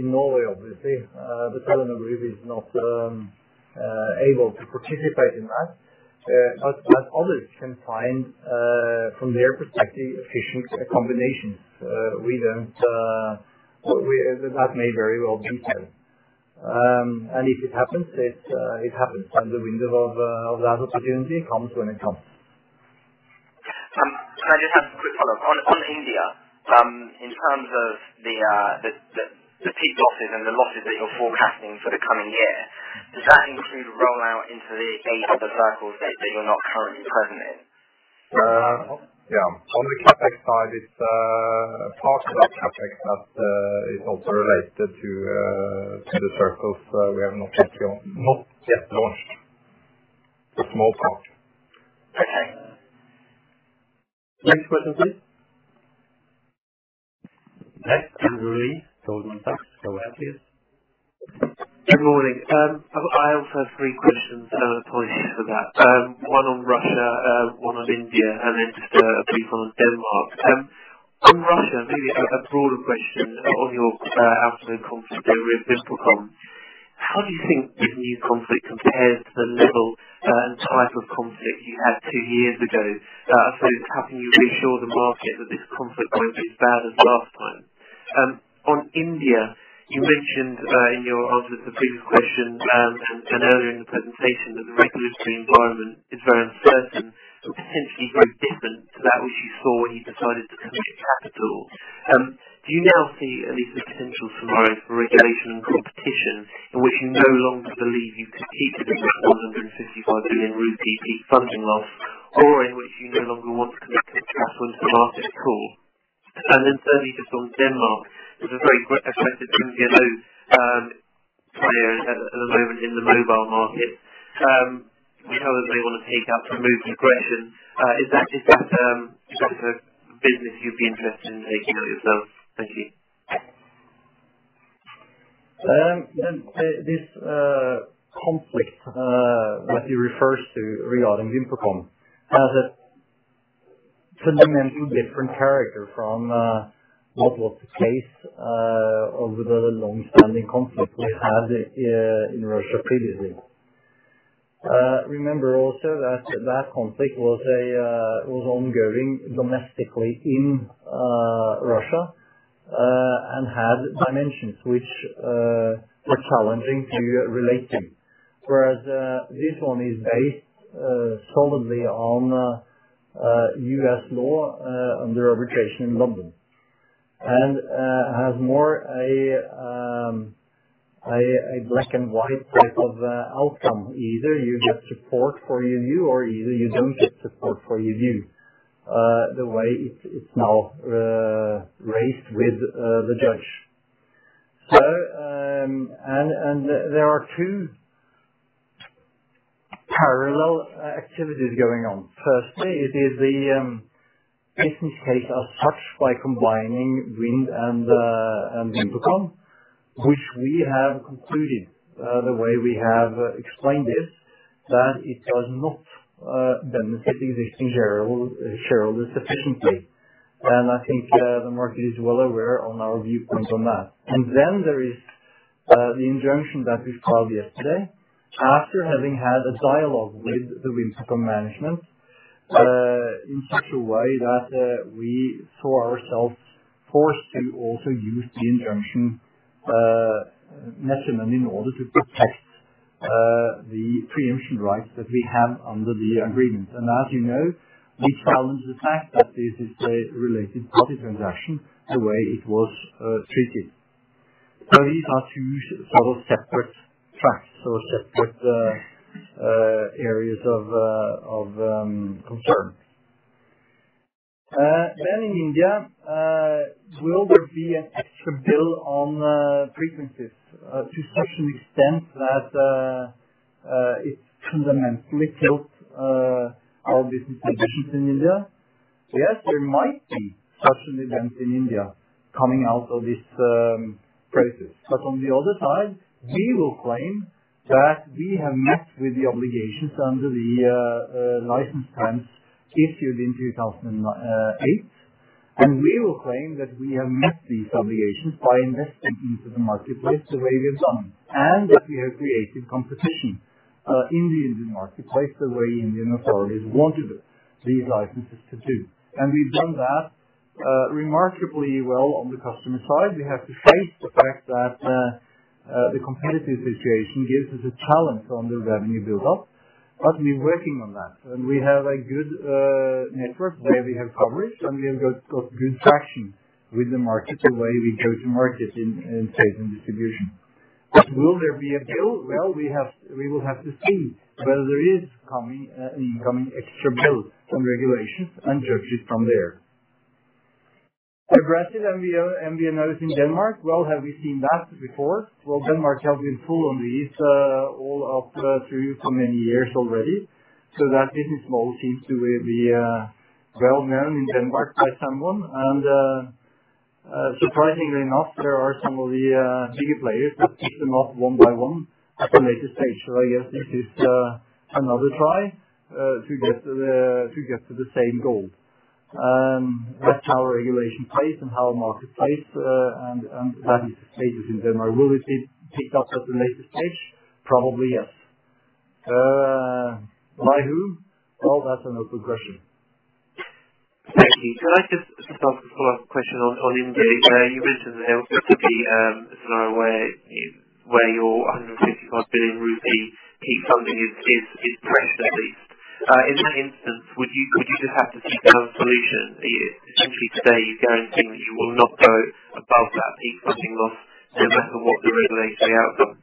In Norway, obviously, NetCom is not able to participate in that. But as others can find, from their perspective, efficient combinations, we don't... We, that may very well be said. And if it happens, it happens, and the window of that opportunity comes when it comes. Can I just have a quick follow-up? On India, in terms of the peak losses and the losses that you're forecasting for the coming year, does that include rollout into the eight other circles that you're not currently present in? Yeah. On the CapEx side, it's part of that CapEx that is also related to the circles we have not yet launched. A small part. Okay. Next question, please.... Hey, Andrew Lee. Welcome back. So happy. Good morning. I also have three questions, points for that. One on Russia, one on India, and then just a brief one on Denmark. On Russia, really a broader question on your. How do you think the new conflict compares to the level and type of conflict you had two years ago? So how can you reassure the market that this conflict won't be as bad as last time? On India, you mentioned in your answer to previous question and earlier in the presentation that the regulatory environment is very uncertain, potentially very different to that which you saw when you decided to come to capital. Do you now see at least a potential scenario for regulation and competition, in which you no longer believe you compete with 155 billion rupee peak funding loss, or in which you no longer want to compete with capital to market at all? And then thirdly, just on Denmark, there's a very effective, at the moment in the mobile market. We know that they want to take up to move to aggression. Is that, is that, is that a business you'd be interested in taking on yourself? Thank you. This conflict that you refers to regarding VimpelCom has a fundamentally different character from what was the case over the long-standing conflict we had in Russia previously. Remember also that that conflict was ongoing domestically in Russia. And had dimensions which were challenging to relate to. Whereas this one is based solidly on U.S. law under arbitration in London. And has more of a black and white type of outcome. Either you get support for your view, or either you don't get support for your view, the way it's now raised with the judge. So and there are two parallel activities going on. Firstly, it is the business case as such, by combining Wind and VimpelCom, which we have concluded. The way we have explained this, that it does not benefit the existing shareholder sufficiently. And I think the market is well aware on our viewpoint on that. And then there is the injunction that we filed yesterday, after having had a dialogue with the VimpelCom management, in such a way that we saw ourselves forced to also use the injunction mechanism, in order to protect the pre-emption rights that we have under the agreement. And as you know, we challenge the fact that this is a related party transaction, the way it was treated. So these are two sort of separate tracks, separate areas of concern. Then in India, will there be an extra bill on frequencies to such an extent that it fundamentally kills our business positions in India? Yes, there might be such an event in India coming out of this crisis. But on the other side, we will claim that we have met with the obligations under the license plans issued in 2008. And we will claim that we have met these obligations by investing into the marketplace, the way we've done, and that we have created competition in the Indian marketplace, the way Indian authorities wanted it, these licenses to do. And we've done that remarkably well on the customer side. We have to face the fact that the competitive situation gives us a challenge on the revenue build up, but we're working on that. We have a good network, where we have coverage, and we have got good traction with the market, the way we go to market in trade and distribution. Will there be a bill? Well, we will have to see whether there is coming incoming extra bill from regulations, and judge it from there. Aggressive M&A and M&A in Denmark, well, have we seen that before? Well, Denmark has been full on this all of through so many years already. So that this model seems to be well known in Denmark by someone. Surprisingly enough, there are some of the bigger players that keep them off one by one at the later stage. So I guess this is another try to get to the same goal. That's how regulation plays and how market plays, and that is the case in Denmark. Will it be picked up at a later stage? Probably, yes. By who? Well, that's an open question. Thank you. Can I just follow up a question on, on India? You mentioned there seemed to be a scenario where your 155 billion rupee peak funding is pressured, at least. In that instance, would you just have to seek out a solution, essentially today, guaranteeing that you will not go above that peak funding loss, no matter what the regulatory outcome?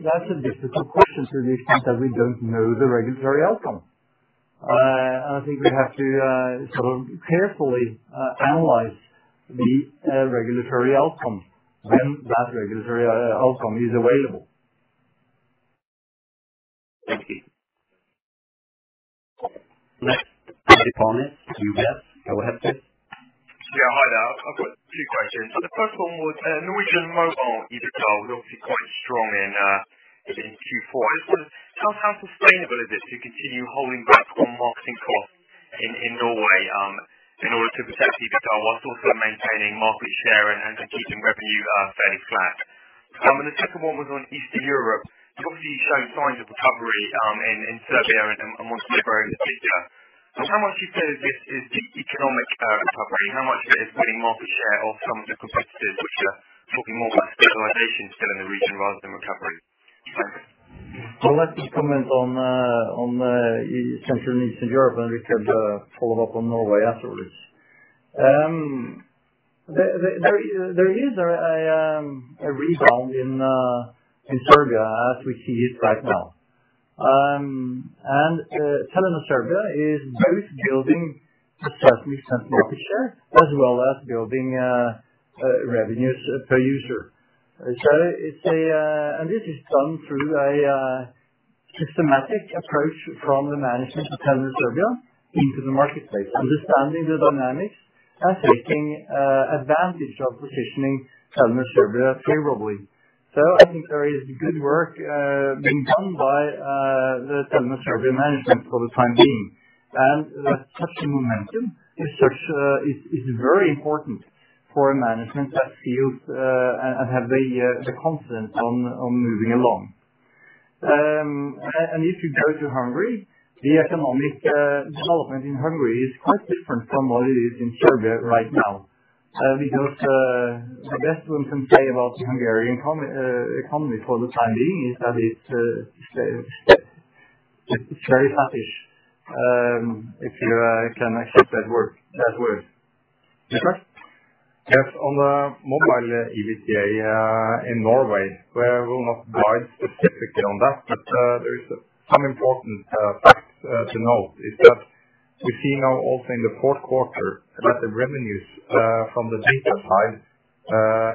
That's a difficult question, to the extent that we don't know the regulatory outcome. I think we have to sort of carefully analyze the regulatory outcome when that regulatory outcome is available. ... Next, go ahead, please. Yeah, hi there. I've got two questions. So the first one was, Norwegian Mobile EBITDA was obviously quite strong in Q4. I just wonder, how sustainable is it to continue holding back on marketing costs in Norway, in order to protect EBITDA, whilst also maintaining market share and keeping revenue fairly flat? And the second one was on Eastern Europe. It's obviously shown signs of recovery, in Serbia and most of Europe. But how much do you say this is the economic recovery, how much of it is winning market share of some of the competitors which are talking more about stabilization still in the region rather than recovery? Well, let me comment on Central and Eastern Europe, and we can follow up on Norway afterwards. There is a rebound in Serbia as we see it right now. And Telenor Serbia is both building success in terms of market share, as well as building revenues per user. So it's a... And this is done through a systematic approach from the management of Telenor Serbia into the marketplace. Understanding the dynamics and taking advantage of positioning Telenor Serbia favorably. So I think there is good work being done by the Telenor Serbia management for the time being. And that touching momentum is such is very important for a management that feels and have the confidence on moving along. And if you go to Hungary, the economic development in Hungary is quite different from what it is in Serbia right now. Because the best one can say about the Hungarian economy for the time being is that it's, it's very sluggish. If you can accept that word, that word. Yes? Yes, on the mobile EBITDA in Norway, where we'll not dive specifically on that, but there is some important facts to note, is that we're seeing now also in the fourth quarter, that the revenues from the data side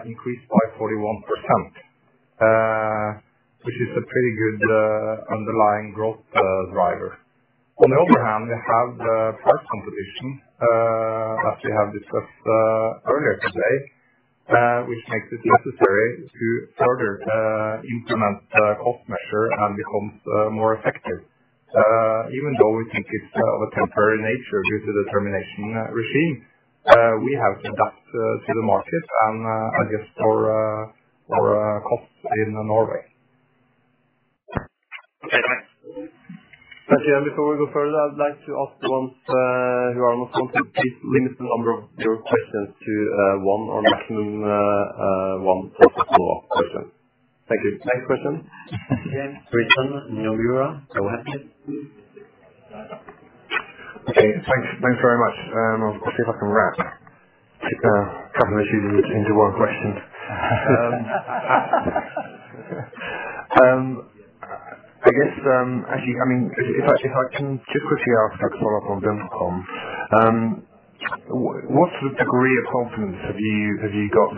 increased by 41%. Which is a pretty good underlying growth driver. On the other hand, we have the price competition as we have discussed earlier today, which makes it necessary to further implement the cost measure and become more effective. Even though we think it's of a temporary nature, due to the termination regime, we have adapt to the market and adjust our costs in Norway. Okay, thanks. Before we go further, I'd like to ask the ones who are not to please limit the number of your questions to one or maximum one follow-up question. Thank you. Next question. Richard, go ahead. Okay, thanks, thanks very much. I probably have to wrap to cover the issues into one question. I guess, actually, I mean, if I can just quickly ask a follow-up on Uninor. What's the degree of confidence have you got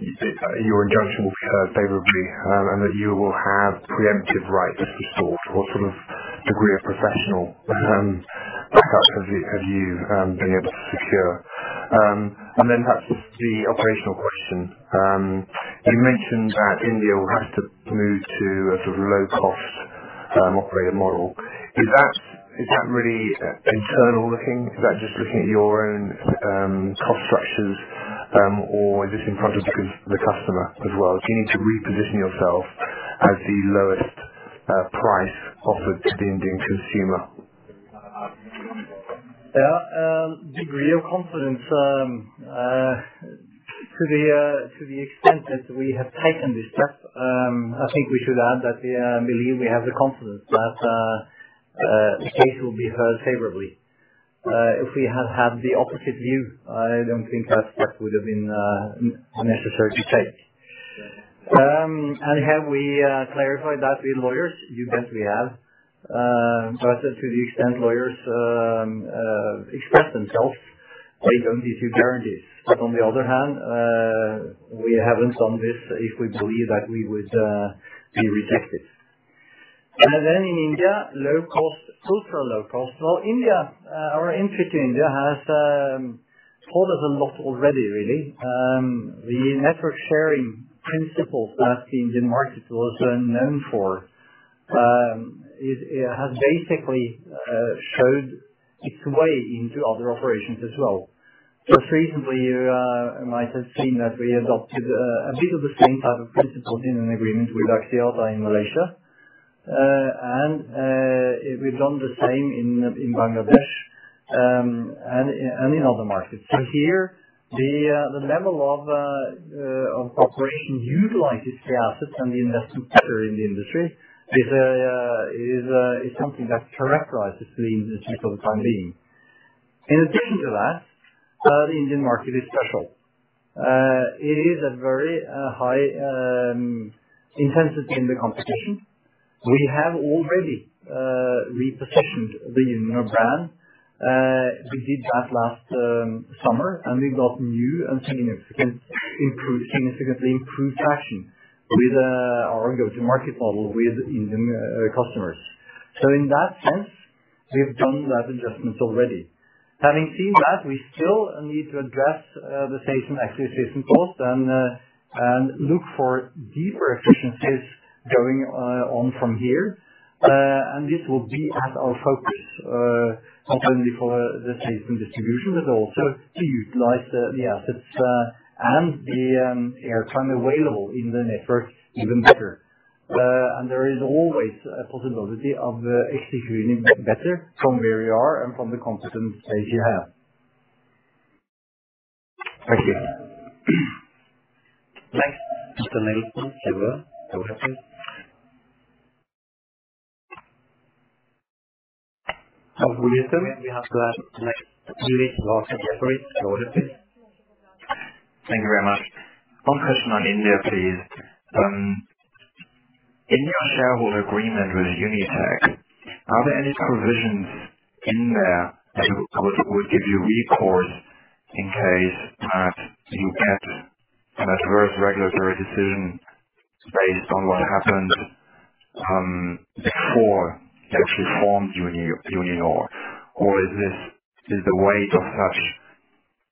that your injunction will be favorably, and that you will have preemptive rights to sort? What sort of degree of professional backup have you been able to secure? And then perhaps the operational question. You mentioned that India will have to move to a sort of low cost operator model. Is that really internal looking? Is that just looking at your own cost structures, or is this in front of the customer as well? Do you need to reposition yourself as the lowest price offered to the Indian consumer? Yeah. Degree of confidence, to the extent that we have taken this step, I think we should add that we believe we have the confidence that the case will be heard favorably. If we had had the opposite view, I don't think that step would have been necessary to take. And have we clarified that with lawyers? You bet we have. But to the extent lawyers express themselves, they don't give you guarantees. But on the other hand, we haven't done this if we believe that we would be rejected. And then in India, low cost, ultra low cost. Well, India, or entry to India, has taught us a lot already, really. The network sharing principles that the Indian market was known for, it has basically showed its way into other operations as well. Just recently, you might have seen that we adopted a bit of the same type of principle in an agreement with Axiata in Malaysia. And we've done the same in Bangladesh, and in other markets. So here, the level of cooperation utilizing the assets and the investment better in the industry is something that characterizes the industry for the time being. In addition to that, the Indian market is special. It is a very high intensity in the competition. We have already repositioned the Uninor brand. We did that last summer, and we got new and significantly improved traction with our go-to-market model with Indian customers. So in that sense, we've done that adjustments already. Having seen that, we still need to address the sales and acquisition cost and look for deeper efficiencies going on from here. And this will be our focus, not only for the sales and distribution, but also to utilize the assets and the airtime available in the network even better. And there is always a possibility of executing better from where we are and from the consistent stage we have. Thank you. Next, We have to ask next. Thank you very much. One question on India, please. In your shareholder agreement with Unitech, are there any provisions in there that would give you recourse in case you get an adverse regulatory decision based on what happened before you actually formed Uninor? Or is this the weight of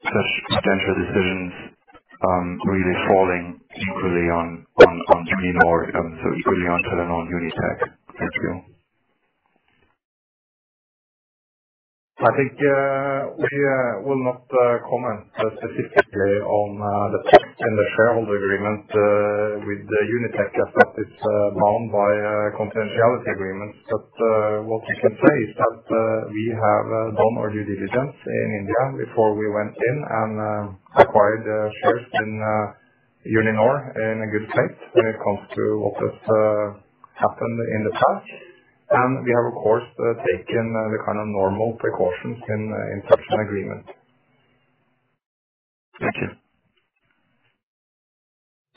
such potential decisions really falling equally on Uninor, and so equally on Telenor and Unitech? Thank you. I think we will not comment specifically on the text in the shareholder agreement with the Unitech, as that is bound by a confidentiality agreement. But what we can say is that we have done our due diligence in India before we went in, and acquired the shares in Uninor in a good faith, when it comes to what has happened in the past. And we have, of course, taken the kind of normal precautions in such an agreement. Thank you.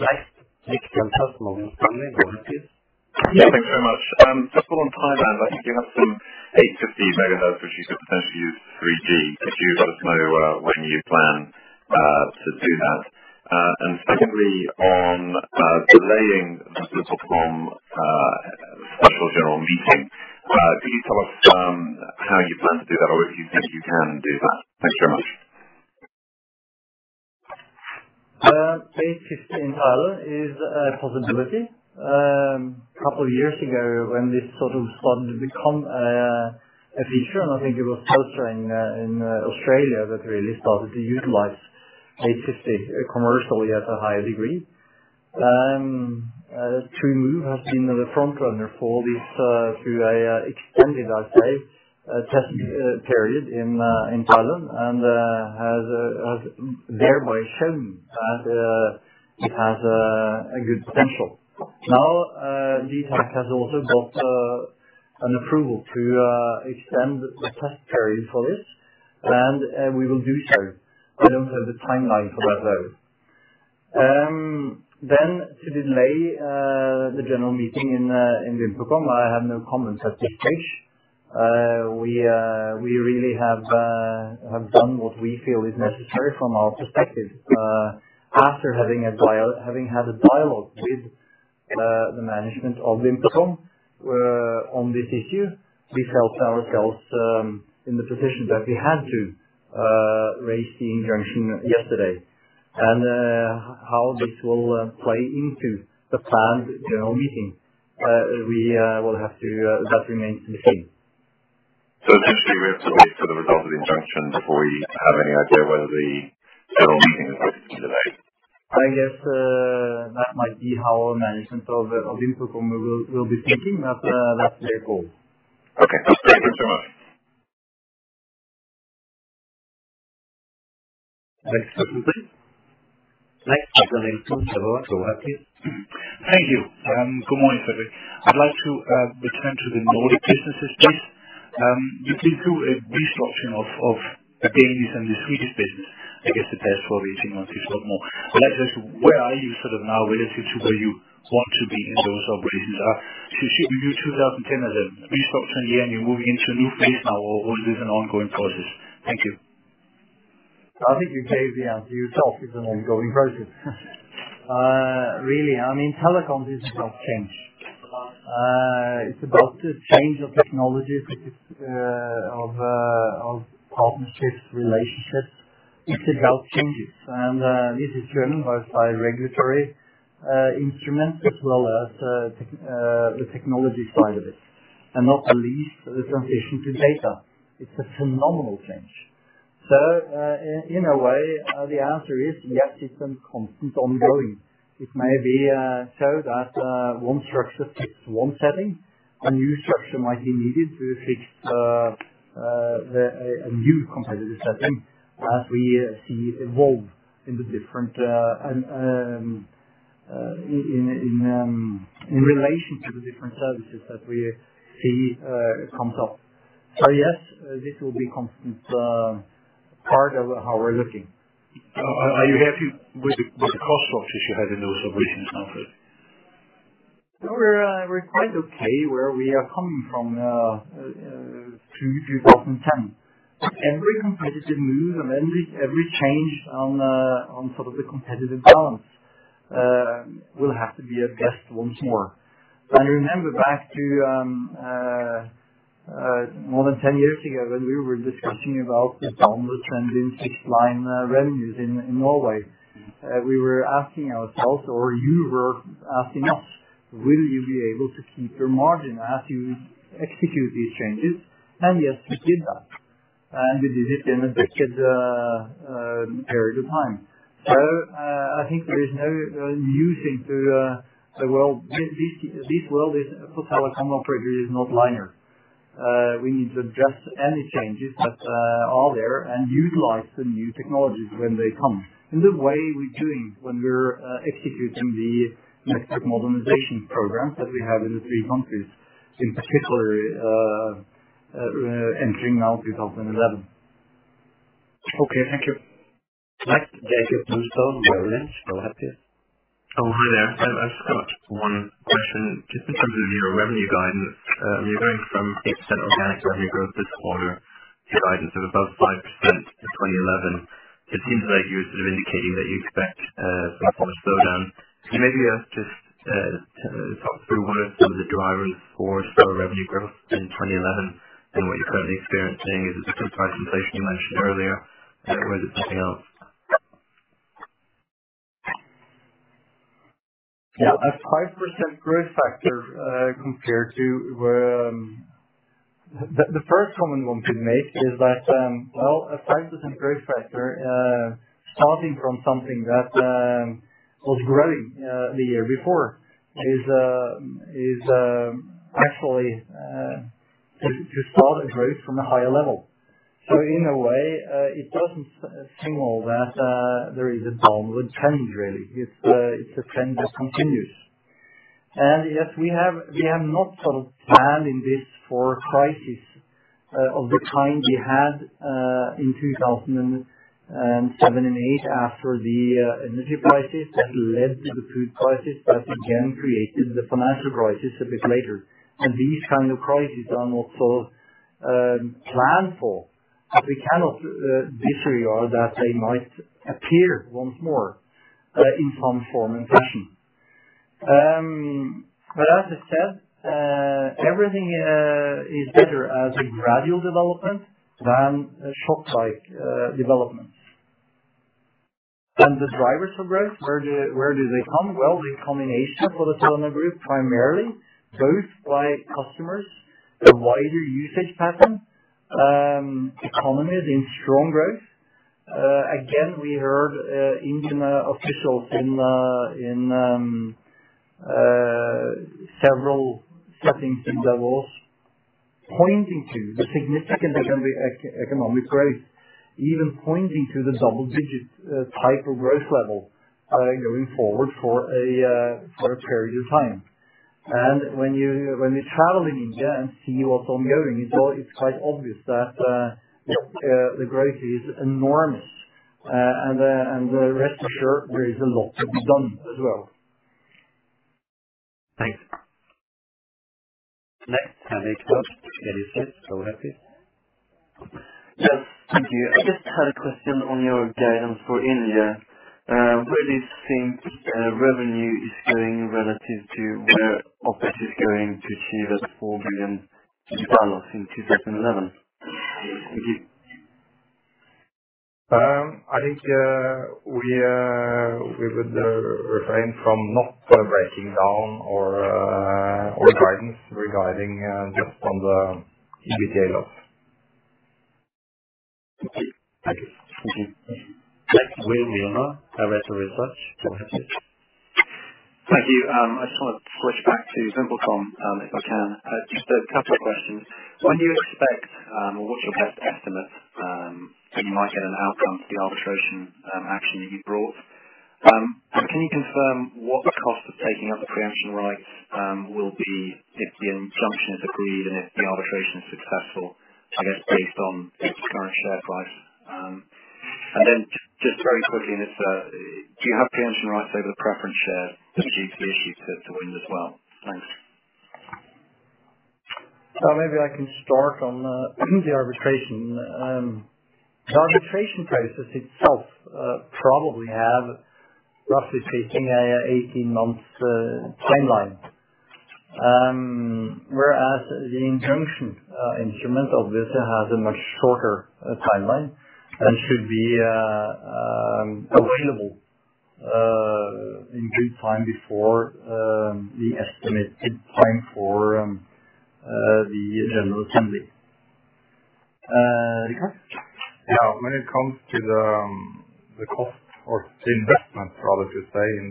Next, inaudible. Yeah, thanks so much. Just on Thailand, I think you have some 850 megahertz, which you could potentially use for 3G. Could you let us know when you plan to do that? And secondly, on delaying the split from special general meeting, could you tell us how you plan to do that, or if you think you can do that? Thanks very much. 850 in Thailand is a possibility. A couple of years ago, when this sort of started to become a feature, and I think it was Telstra in Australia that really started to utilize 850, commercially at a high degree. TrueMove has been the front runner for this, through an extended, I'd say, testing period in Thailand, and has thereby shown that it has a good potential. Now, DTAC has also got an approval to extend the test period for it, and we will do so. I don't have the timeline for that, though. Then, to delay the general meeting in VimpelCom, I have no comments at this stage. We really have done what we feel is necessary from our perspective. After having had a dialogue with the management of VimpelCom, on this issue, we felt ourselves in the position that we had to raise the injunction yesterday. And how this will play into the planned general meeting, we will have to, that remains to be seen. So essentially, we have to wait for the result of the injunction before you have any idea whether the general meeting is going to be delayed? I guess that might be how management of VimpelCom will be thinking at, let's say, April. Okay. Thank you so much. Thanks. Next. Thank you. Good morning, everybody. I'd like to return to the Nordic businesses please. You can do a restructuring of, of the Danish and the Swedish business, I guess, the best for reaching out to you a lot more. But I'd like to ask, where are you sort of now, relative to where you want to be in those operations? So should we do 2010 as a restructuring year, and you're moving into a new phase now, or is this an ongoing process? Thank you. I think you gave the answer yourself. It's an ongoing process. Really, I mean, telecoms is about change. It's about the change of technologies, of partnerships, relationships. It's about changes. It is driven both by regulatory instruments as well as the technology side of it, and not the least, the transition to data. It's a phenomenal change. In a way, the answer is, yes, it's a constant ongoing. It may be so that one structure fits one setting. A new structure might be needed to fix a new competitive setting, as we see evolve in the different in relation to the different services that we see comes up. Yes, this will be constant part of how we're looking.... are you happy with the cost structures you have in those operations now? No, we're quite okay where we are coming from through 2010. Every competitive move and every change on top of the competitive balance will have to be addressed once more. I remember back to more than 10 years ago, when we were discussing about the downward trend in fixed line revenues in Norway. We were asking ourselves, or you were asking us, "Will you be able to keep your margin as you execute these changes?" And yes, we did that. And we did it in a period of time. So, I think there is no new thing to the world. This world is for telecom operator is not linear. We need to address any changes that are there, and utilize the new technologies when they come. In the way we're doing, when we're executing the next modernization program that we have in the three countries. In particular, entering now 2011. Okay, thank you. Next, Daniel Bluestone, Goldman Sachs. Go ahead, please. Oh, hi there. I've, I've just got one question, just in terms of your revenue guidance. You're going from 8% organic revenue growth this quarter, to guidance of above 5% in 2011. It seems like you're sort of indicating that you expect some form of slowdown. Can maybe just talk through what are some of the drivers for slower revenue growth in 2011, and what you're currently experiencing as price inflation you mentioned earlier, or is it something else? Yeah. A 5% growth factor compared to where... The first comment one to make is that, well, a 5% growth factor starting from something that was growing the year before is actually to start a growth from a higher level. So in a way, it doesn't signal that there is a downward trend, really. It's a trend that continues. And yes, we have not sort of planned in this for crisis of the kind we had in 2007 and 2008, after the energy crisis that led to the food crisis that again created the financial crisis a bit later. These kind of crises are not sort, planned for, but we cannot disregard that they might appear once more, in some form and fashion. But as I said, everything is better as a gradual development than a short-term development. The drivers of growth, where do they come? Well, the combination for the Telenor Group, primarily, both by customers, the wider usage pattern, economies in strong growth. Again, we heard Indian officials in several settings and levels, pointing to the significant economic growth. Even pointing to the double digit type of growth level, going forward for a period of time. When you, when you're traveling in India, and see what's ongoing, it's quite obvious that the growth is enormous. Rest assured, there is a lot to be done as well. Thanks. Next, Are Johansen. Go ahead, please. Yes, thank you. I just had a question on your guidance for India. Where do you think revenue is going relative to where Opex is going to achieve at $4 billion in 2011? Thank you. I think, we would refrain from not sort of breaking down or our guidance regarding just on the EBITDA loss. Thank you. Next, William Miller, Redburn Partners. Go ahead, please. Thank you. I just wanna switch back to VimpelCom, if I can. Just a couple of questions. When do you expect, or what's your best estimate, that you might get an outcome to the arbitration action that you brought? Can you confirm what the cost of taking up the pre-emption rights will be if the injunction is agreed, and if the arbitration is successful, I guess, based on its current share price? And then just very quickly, do you have pre-emption rights over the preference shares that it issued to Wind as well? Thanks. So maybe I can start on the arbitration. The arbitration process itself probably have, roughly speaking, 18 months timeline. Whereas the injunction instrument obviously has a much shorter timeline, and should be available in good time before the estimated time for the general assembly. Richard? Yeah. When it comes to the, the cost or the investment, rather to say, in,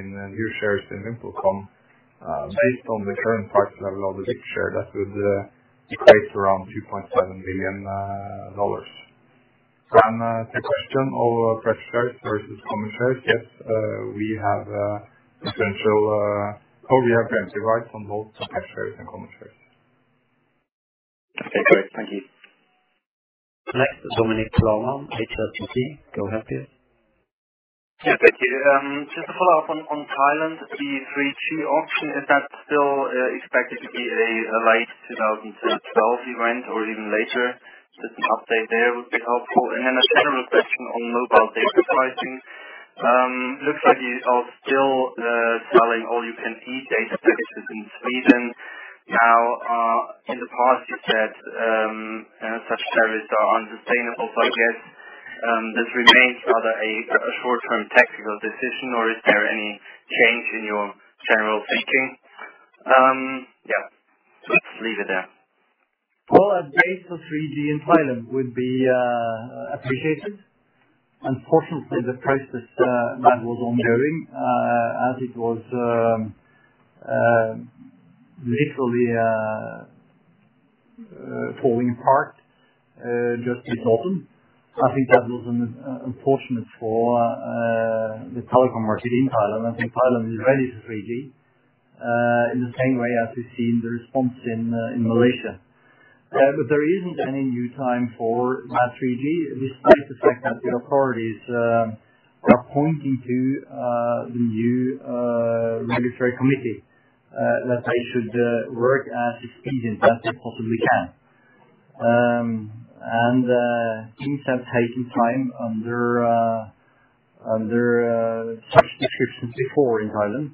in new shares in VimpelCom, based on the current price level of the VIP share, that would create around $2.7 billion. So on, the question of, preference shares versus common shares, yes, we have potential... Oh, we have pre-emption rights on both preference shares and common shares.... Okay, great. Thank you. Next, Dominik Klarmann, HSBC. Go ahead, please. Yeah, thank you. Just to follow up on, on Thailand, the 3G auction, is that still expected to be a late 2012 event or even later? Just an update there would be helpful. And then a general question on mobile data pricing. Looks like you are still selling all-you-can-eat data packages in Sweden. Now, in the past you said such services are unsustainable, but I guess this remains rather a short-term tactical decision or is there any change in your general thinking? Yeah, so let's leave it there. Well, a date for 3G in Thailand would be appreciated. Unfortunately, the process that was ongoing, as it was, literally falling apart just this autumn. I think that was unfortunate for the telecom market in Thailand. I think Thailand is ready for 3G, in the same way as we've seen the response in Malaysia. But there isn't any new time for that 3G, despite the fact that the authorities are pointing to the new regulatory committee that they should work as expediently as they possibly can. And things have taken time under such descriptions before in Thailand.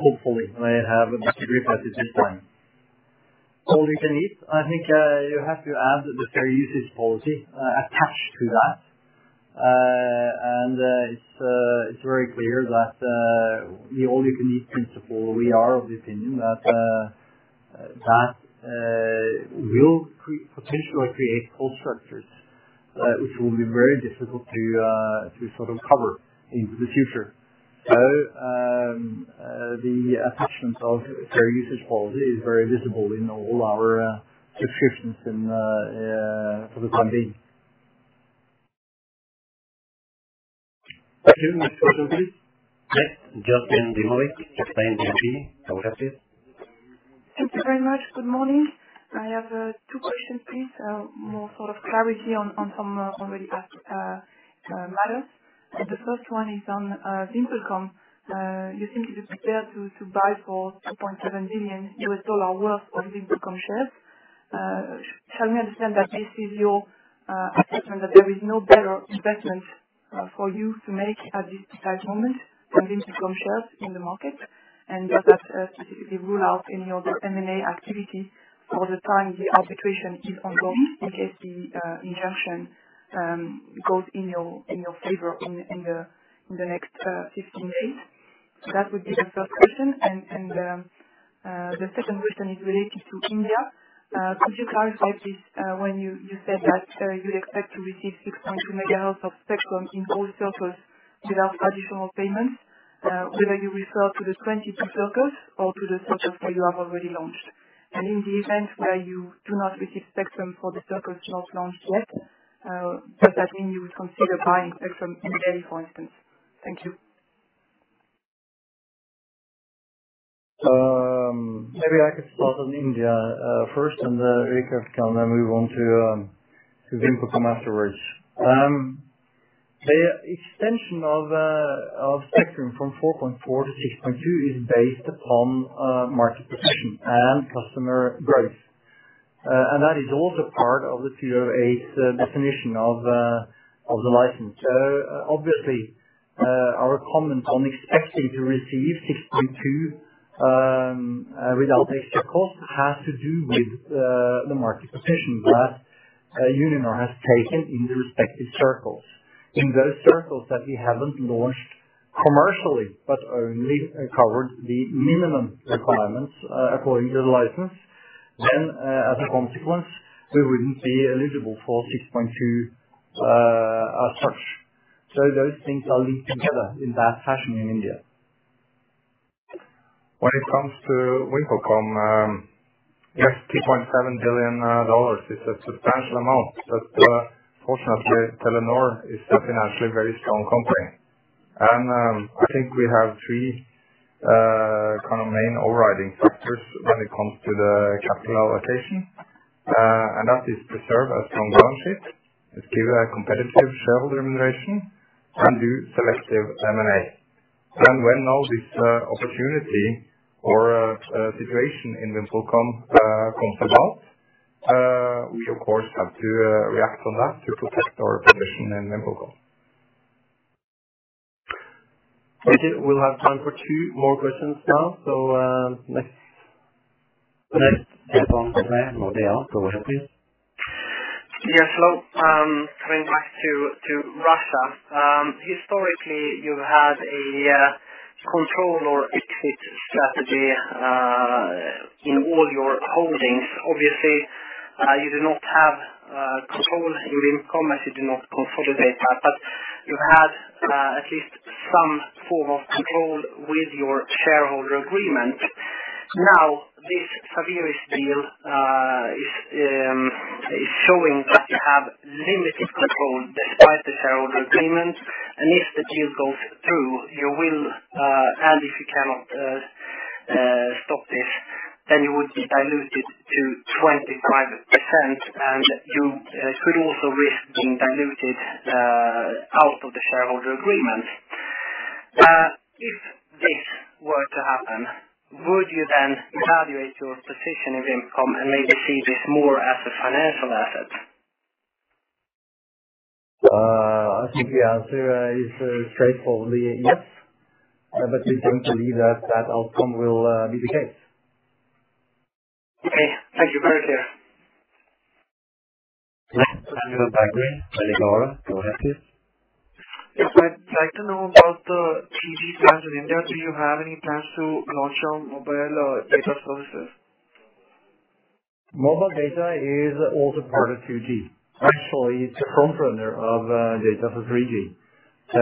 Hopefully they have a different attitude this time. all-you-can-eat, I think, you have to add the fair usage policy attached to that. And, it's very clear that the all-you-can-eat principle, we are of the opinion that that will potentially create cost structures which will be very difficult to sort of cover into the future. So, the attachment of fair usage policy is very visible in all our subscriptions and for the time being. Thank you. Next, Josephine de Chazal, Exane BNP Paribas. Go ahead, please. Thank you very much. Good morning. I have two questions, please. More sort of clarity on some already asked matters. The first one is on VimpelCom. You think you're prepared to buy for $2.7 billion worth of VimpelCom shares? Help me understand that this is your statement, that there is no better investment for you to make at this exact moment than VimpelCom shares in the market. Does that specifically rule out any other M&A activity for the time the arbitration is ongoing, in case the injunction goes in your favor in the next 15 days? That would be the first question. The second question is related to India. Could you clarify, please, when you said that you'd expect to receive 6.2 megahertz of spectrum in all circles without additional payments, whether you refer to the 22 circles or to the circles that you have already launched? And in the event where you do not receive spectrum for the circles not launched yet, does that mean you would consider buying spectrum in Delhi, for instance? Thank you. Maybe I could start on India first, and then we want to VimpelCom afterwards. The extension of spectrum from 4.4 to 6.2 is based upon market position and customer growth. And that is also part of the UAS definition of the license. Obviously, our comment on expecting to receive 6.2 without extra cost has to do with the market position that Uninor has taken in the respective circles. In those circles that we haven't launched commercially, but only covered the minimum requirements according to the license, then as a consequence, we wouldn't be eligible for 6.2 as such. So those things are linked together in that fashion in India. When it comes to VimpelCom, yes, $3.7 billion is a substantial amount, but, fortunately, Telenor is a financially very strong company. And, I think we have three, kind of, main overriding factors when it comes to the capital allocation. And that is preserved as strong balance sheet. It give a competitive shareholder remuneration and do selective M&A. Then when all this, opportunity or, situation in VimpelCom, comes about, we of course, have to, react on that to protect our position in VimpelCom. Okay, we'll have time for two more questions now. So, next. Next, in line. Go ahead, please. Yes, hello. Coming back to Russia. Historically, you've had a control or exit strategy in all your holdings. Obviously, you do not have control in VimpelCom, as you do not consolidate that. But you had at least some form of control with your shareholder agreement. Now, this Wind deal is showing that you have limited control despite the shareholder agreement, and if the deal goes through, you will, and if you cannot stop this, then you would be diluted to 25%, and you could also risk being diluted out of the shareholder agreement. If this were to happen, would you then evaluate your position in VimpelCom and maybe see this more as a financial asset? I think the answer is straightforwardly yes. But we don't believe that that outcome will be the case. Okay. Thank you very clear. Yes, thank you. Go ahead, please. Yes, I'd like to know about the plans in India. Do you have any plans to launch your mobile data services? Mobile data is also part of. Actually, it's a component of data for 3G. So,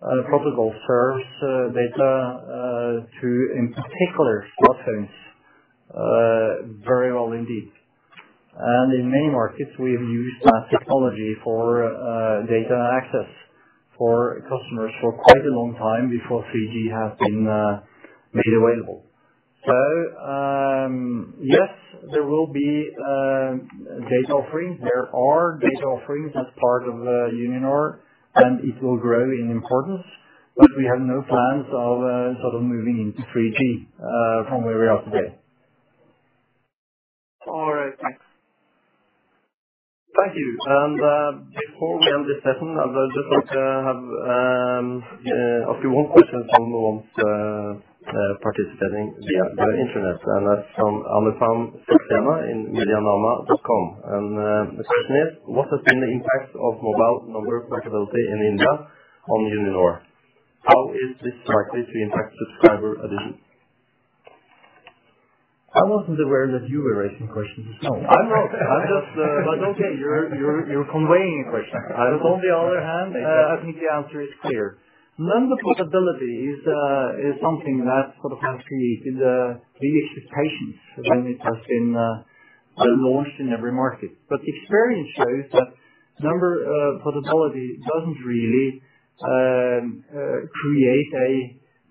the EDGE protocol serves data to, in particular, phones very well indeed. And in many markets, we've used that technology for data access for customers for quite a long time before 3G has been made available. So, yes, there will be data offerings. There are data offerings as part of Uninor, and it will grow in importance, but we have no plans of sort of moving into 3G from where we are today. All right, thanks. Thank you. Before we end this session, I'd just like to have a few more questions from the participating via the internet, and that's from Nikhil Pahwa of MediaNama.com. The question is: What has been the impact of mobile number portability in India on Uninor? How is this likely to impact subscriber addition? I wasn't aware that you were asking questions as well. I'm not. I'm just. But okay, you're conveying a question. On the other hand, I think the answer is clear. Number portability is something that sort of has created the expectations when it has been launched in every market. But experience shows that number portability doesn't really create a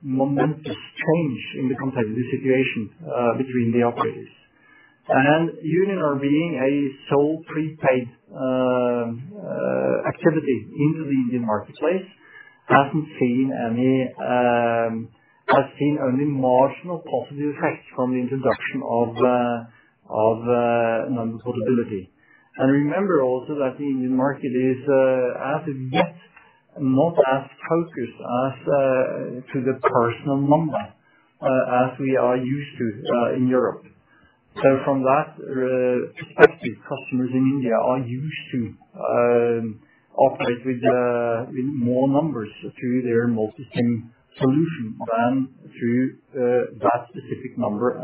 momentous change in the competitive situation between the operators. And Uninor being a sole prepaid activity in the Indian marketplace has seen only marginal positive effect from the introduction of number portability. And remember also that the Indian market is as yet not as focused as to the personal number as we are used to in Europe. So from that perspective, customers in India are used to operate with with more numbers to their multitasking solutions than to that specific number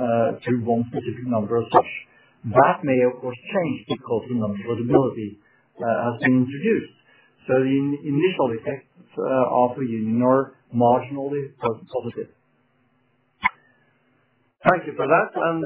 to one specific number as such. That may of course change because the number portability has been introduced. So the initial effects are for Uninor marginally positive. Thank you for that, and,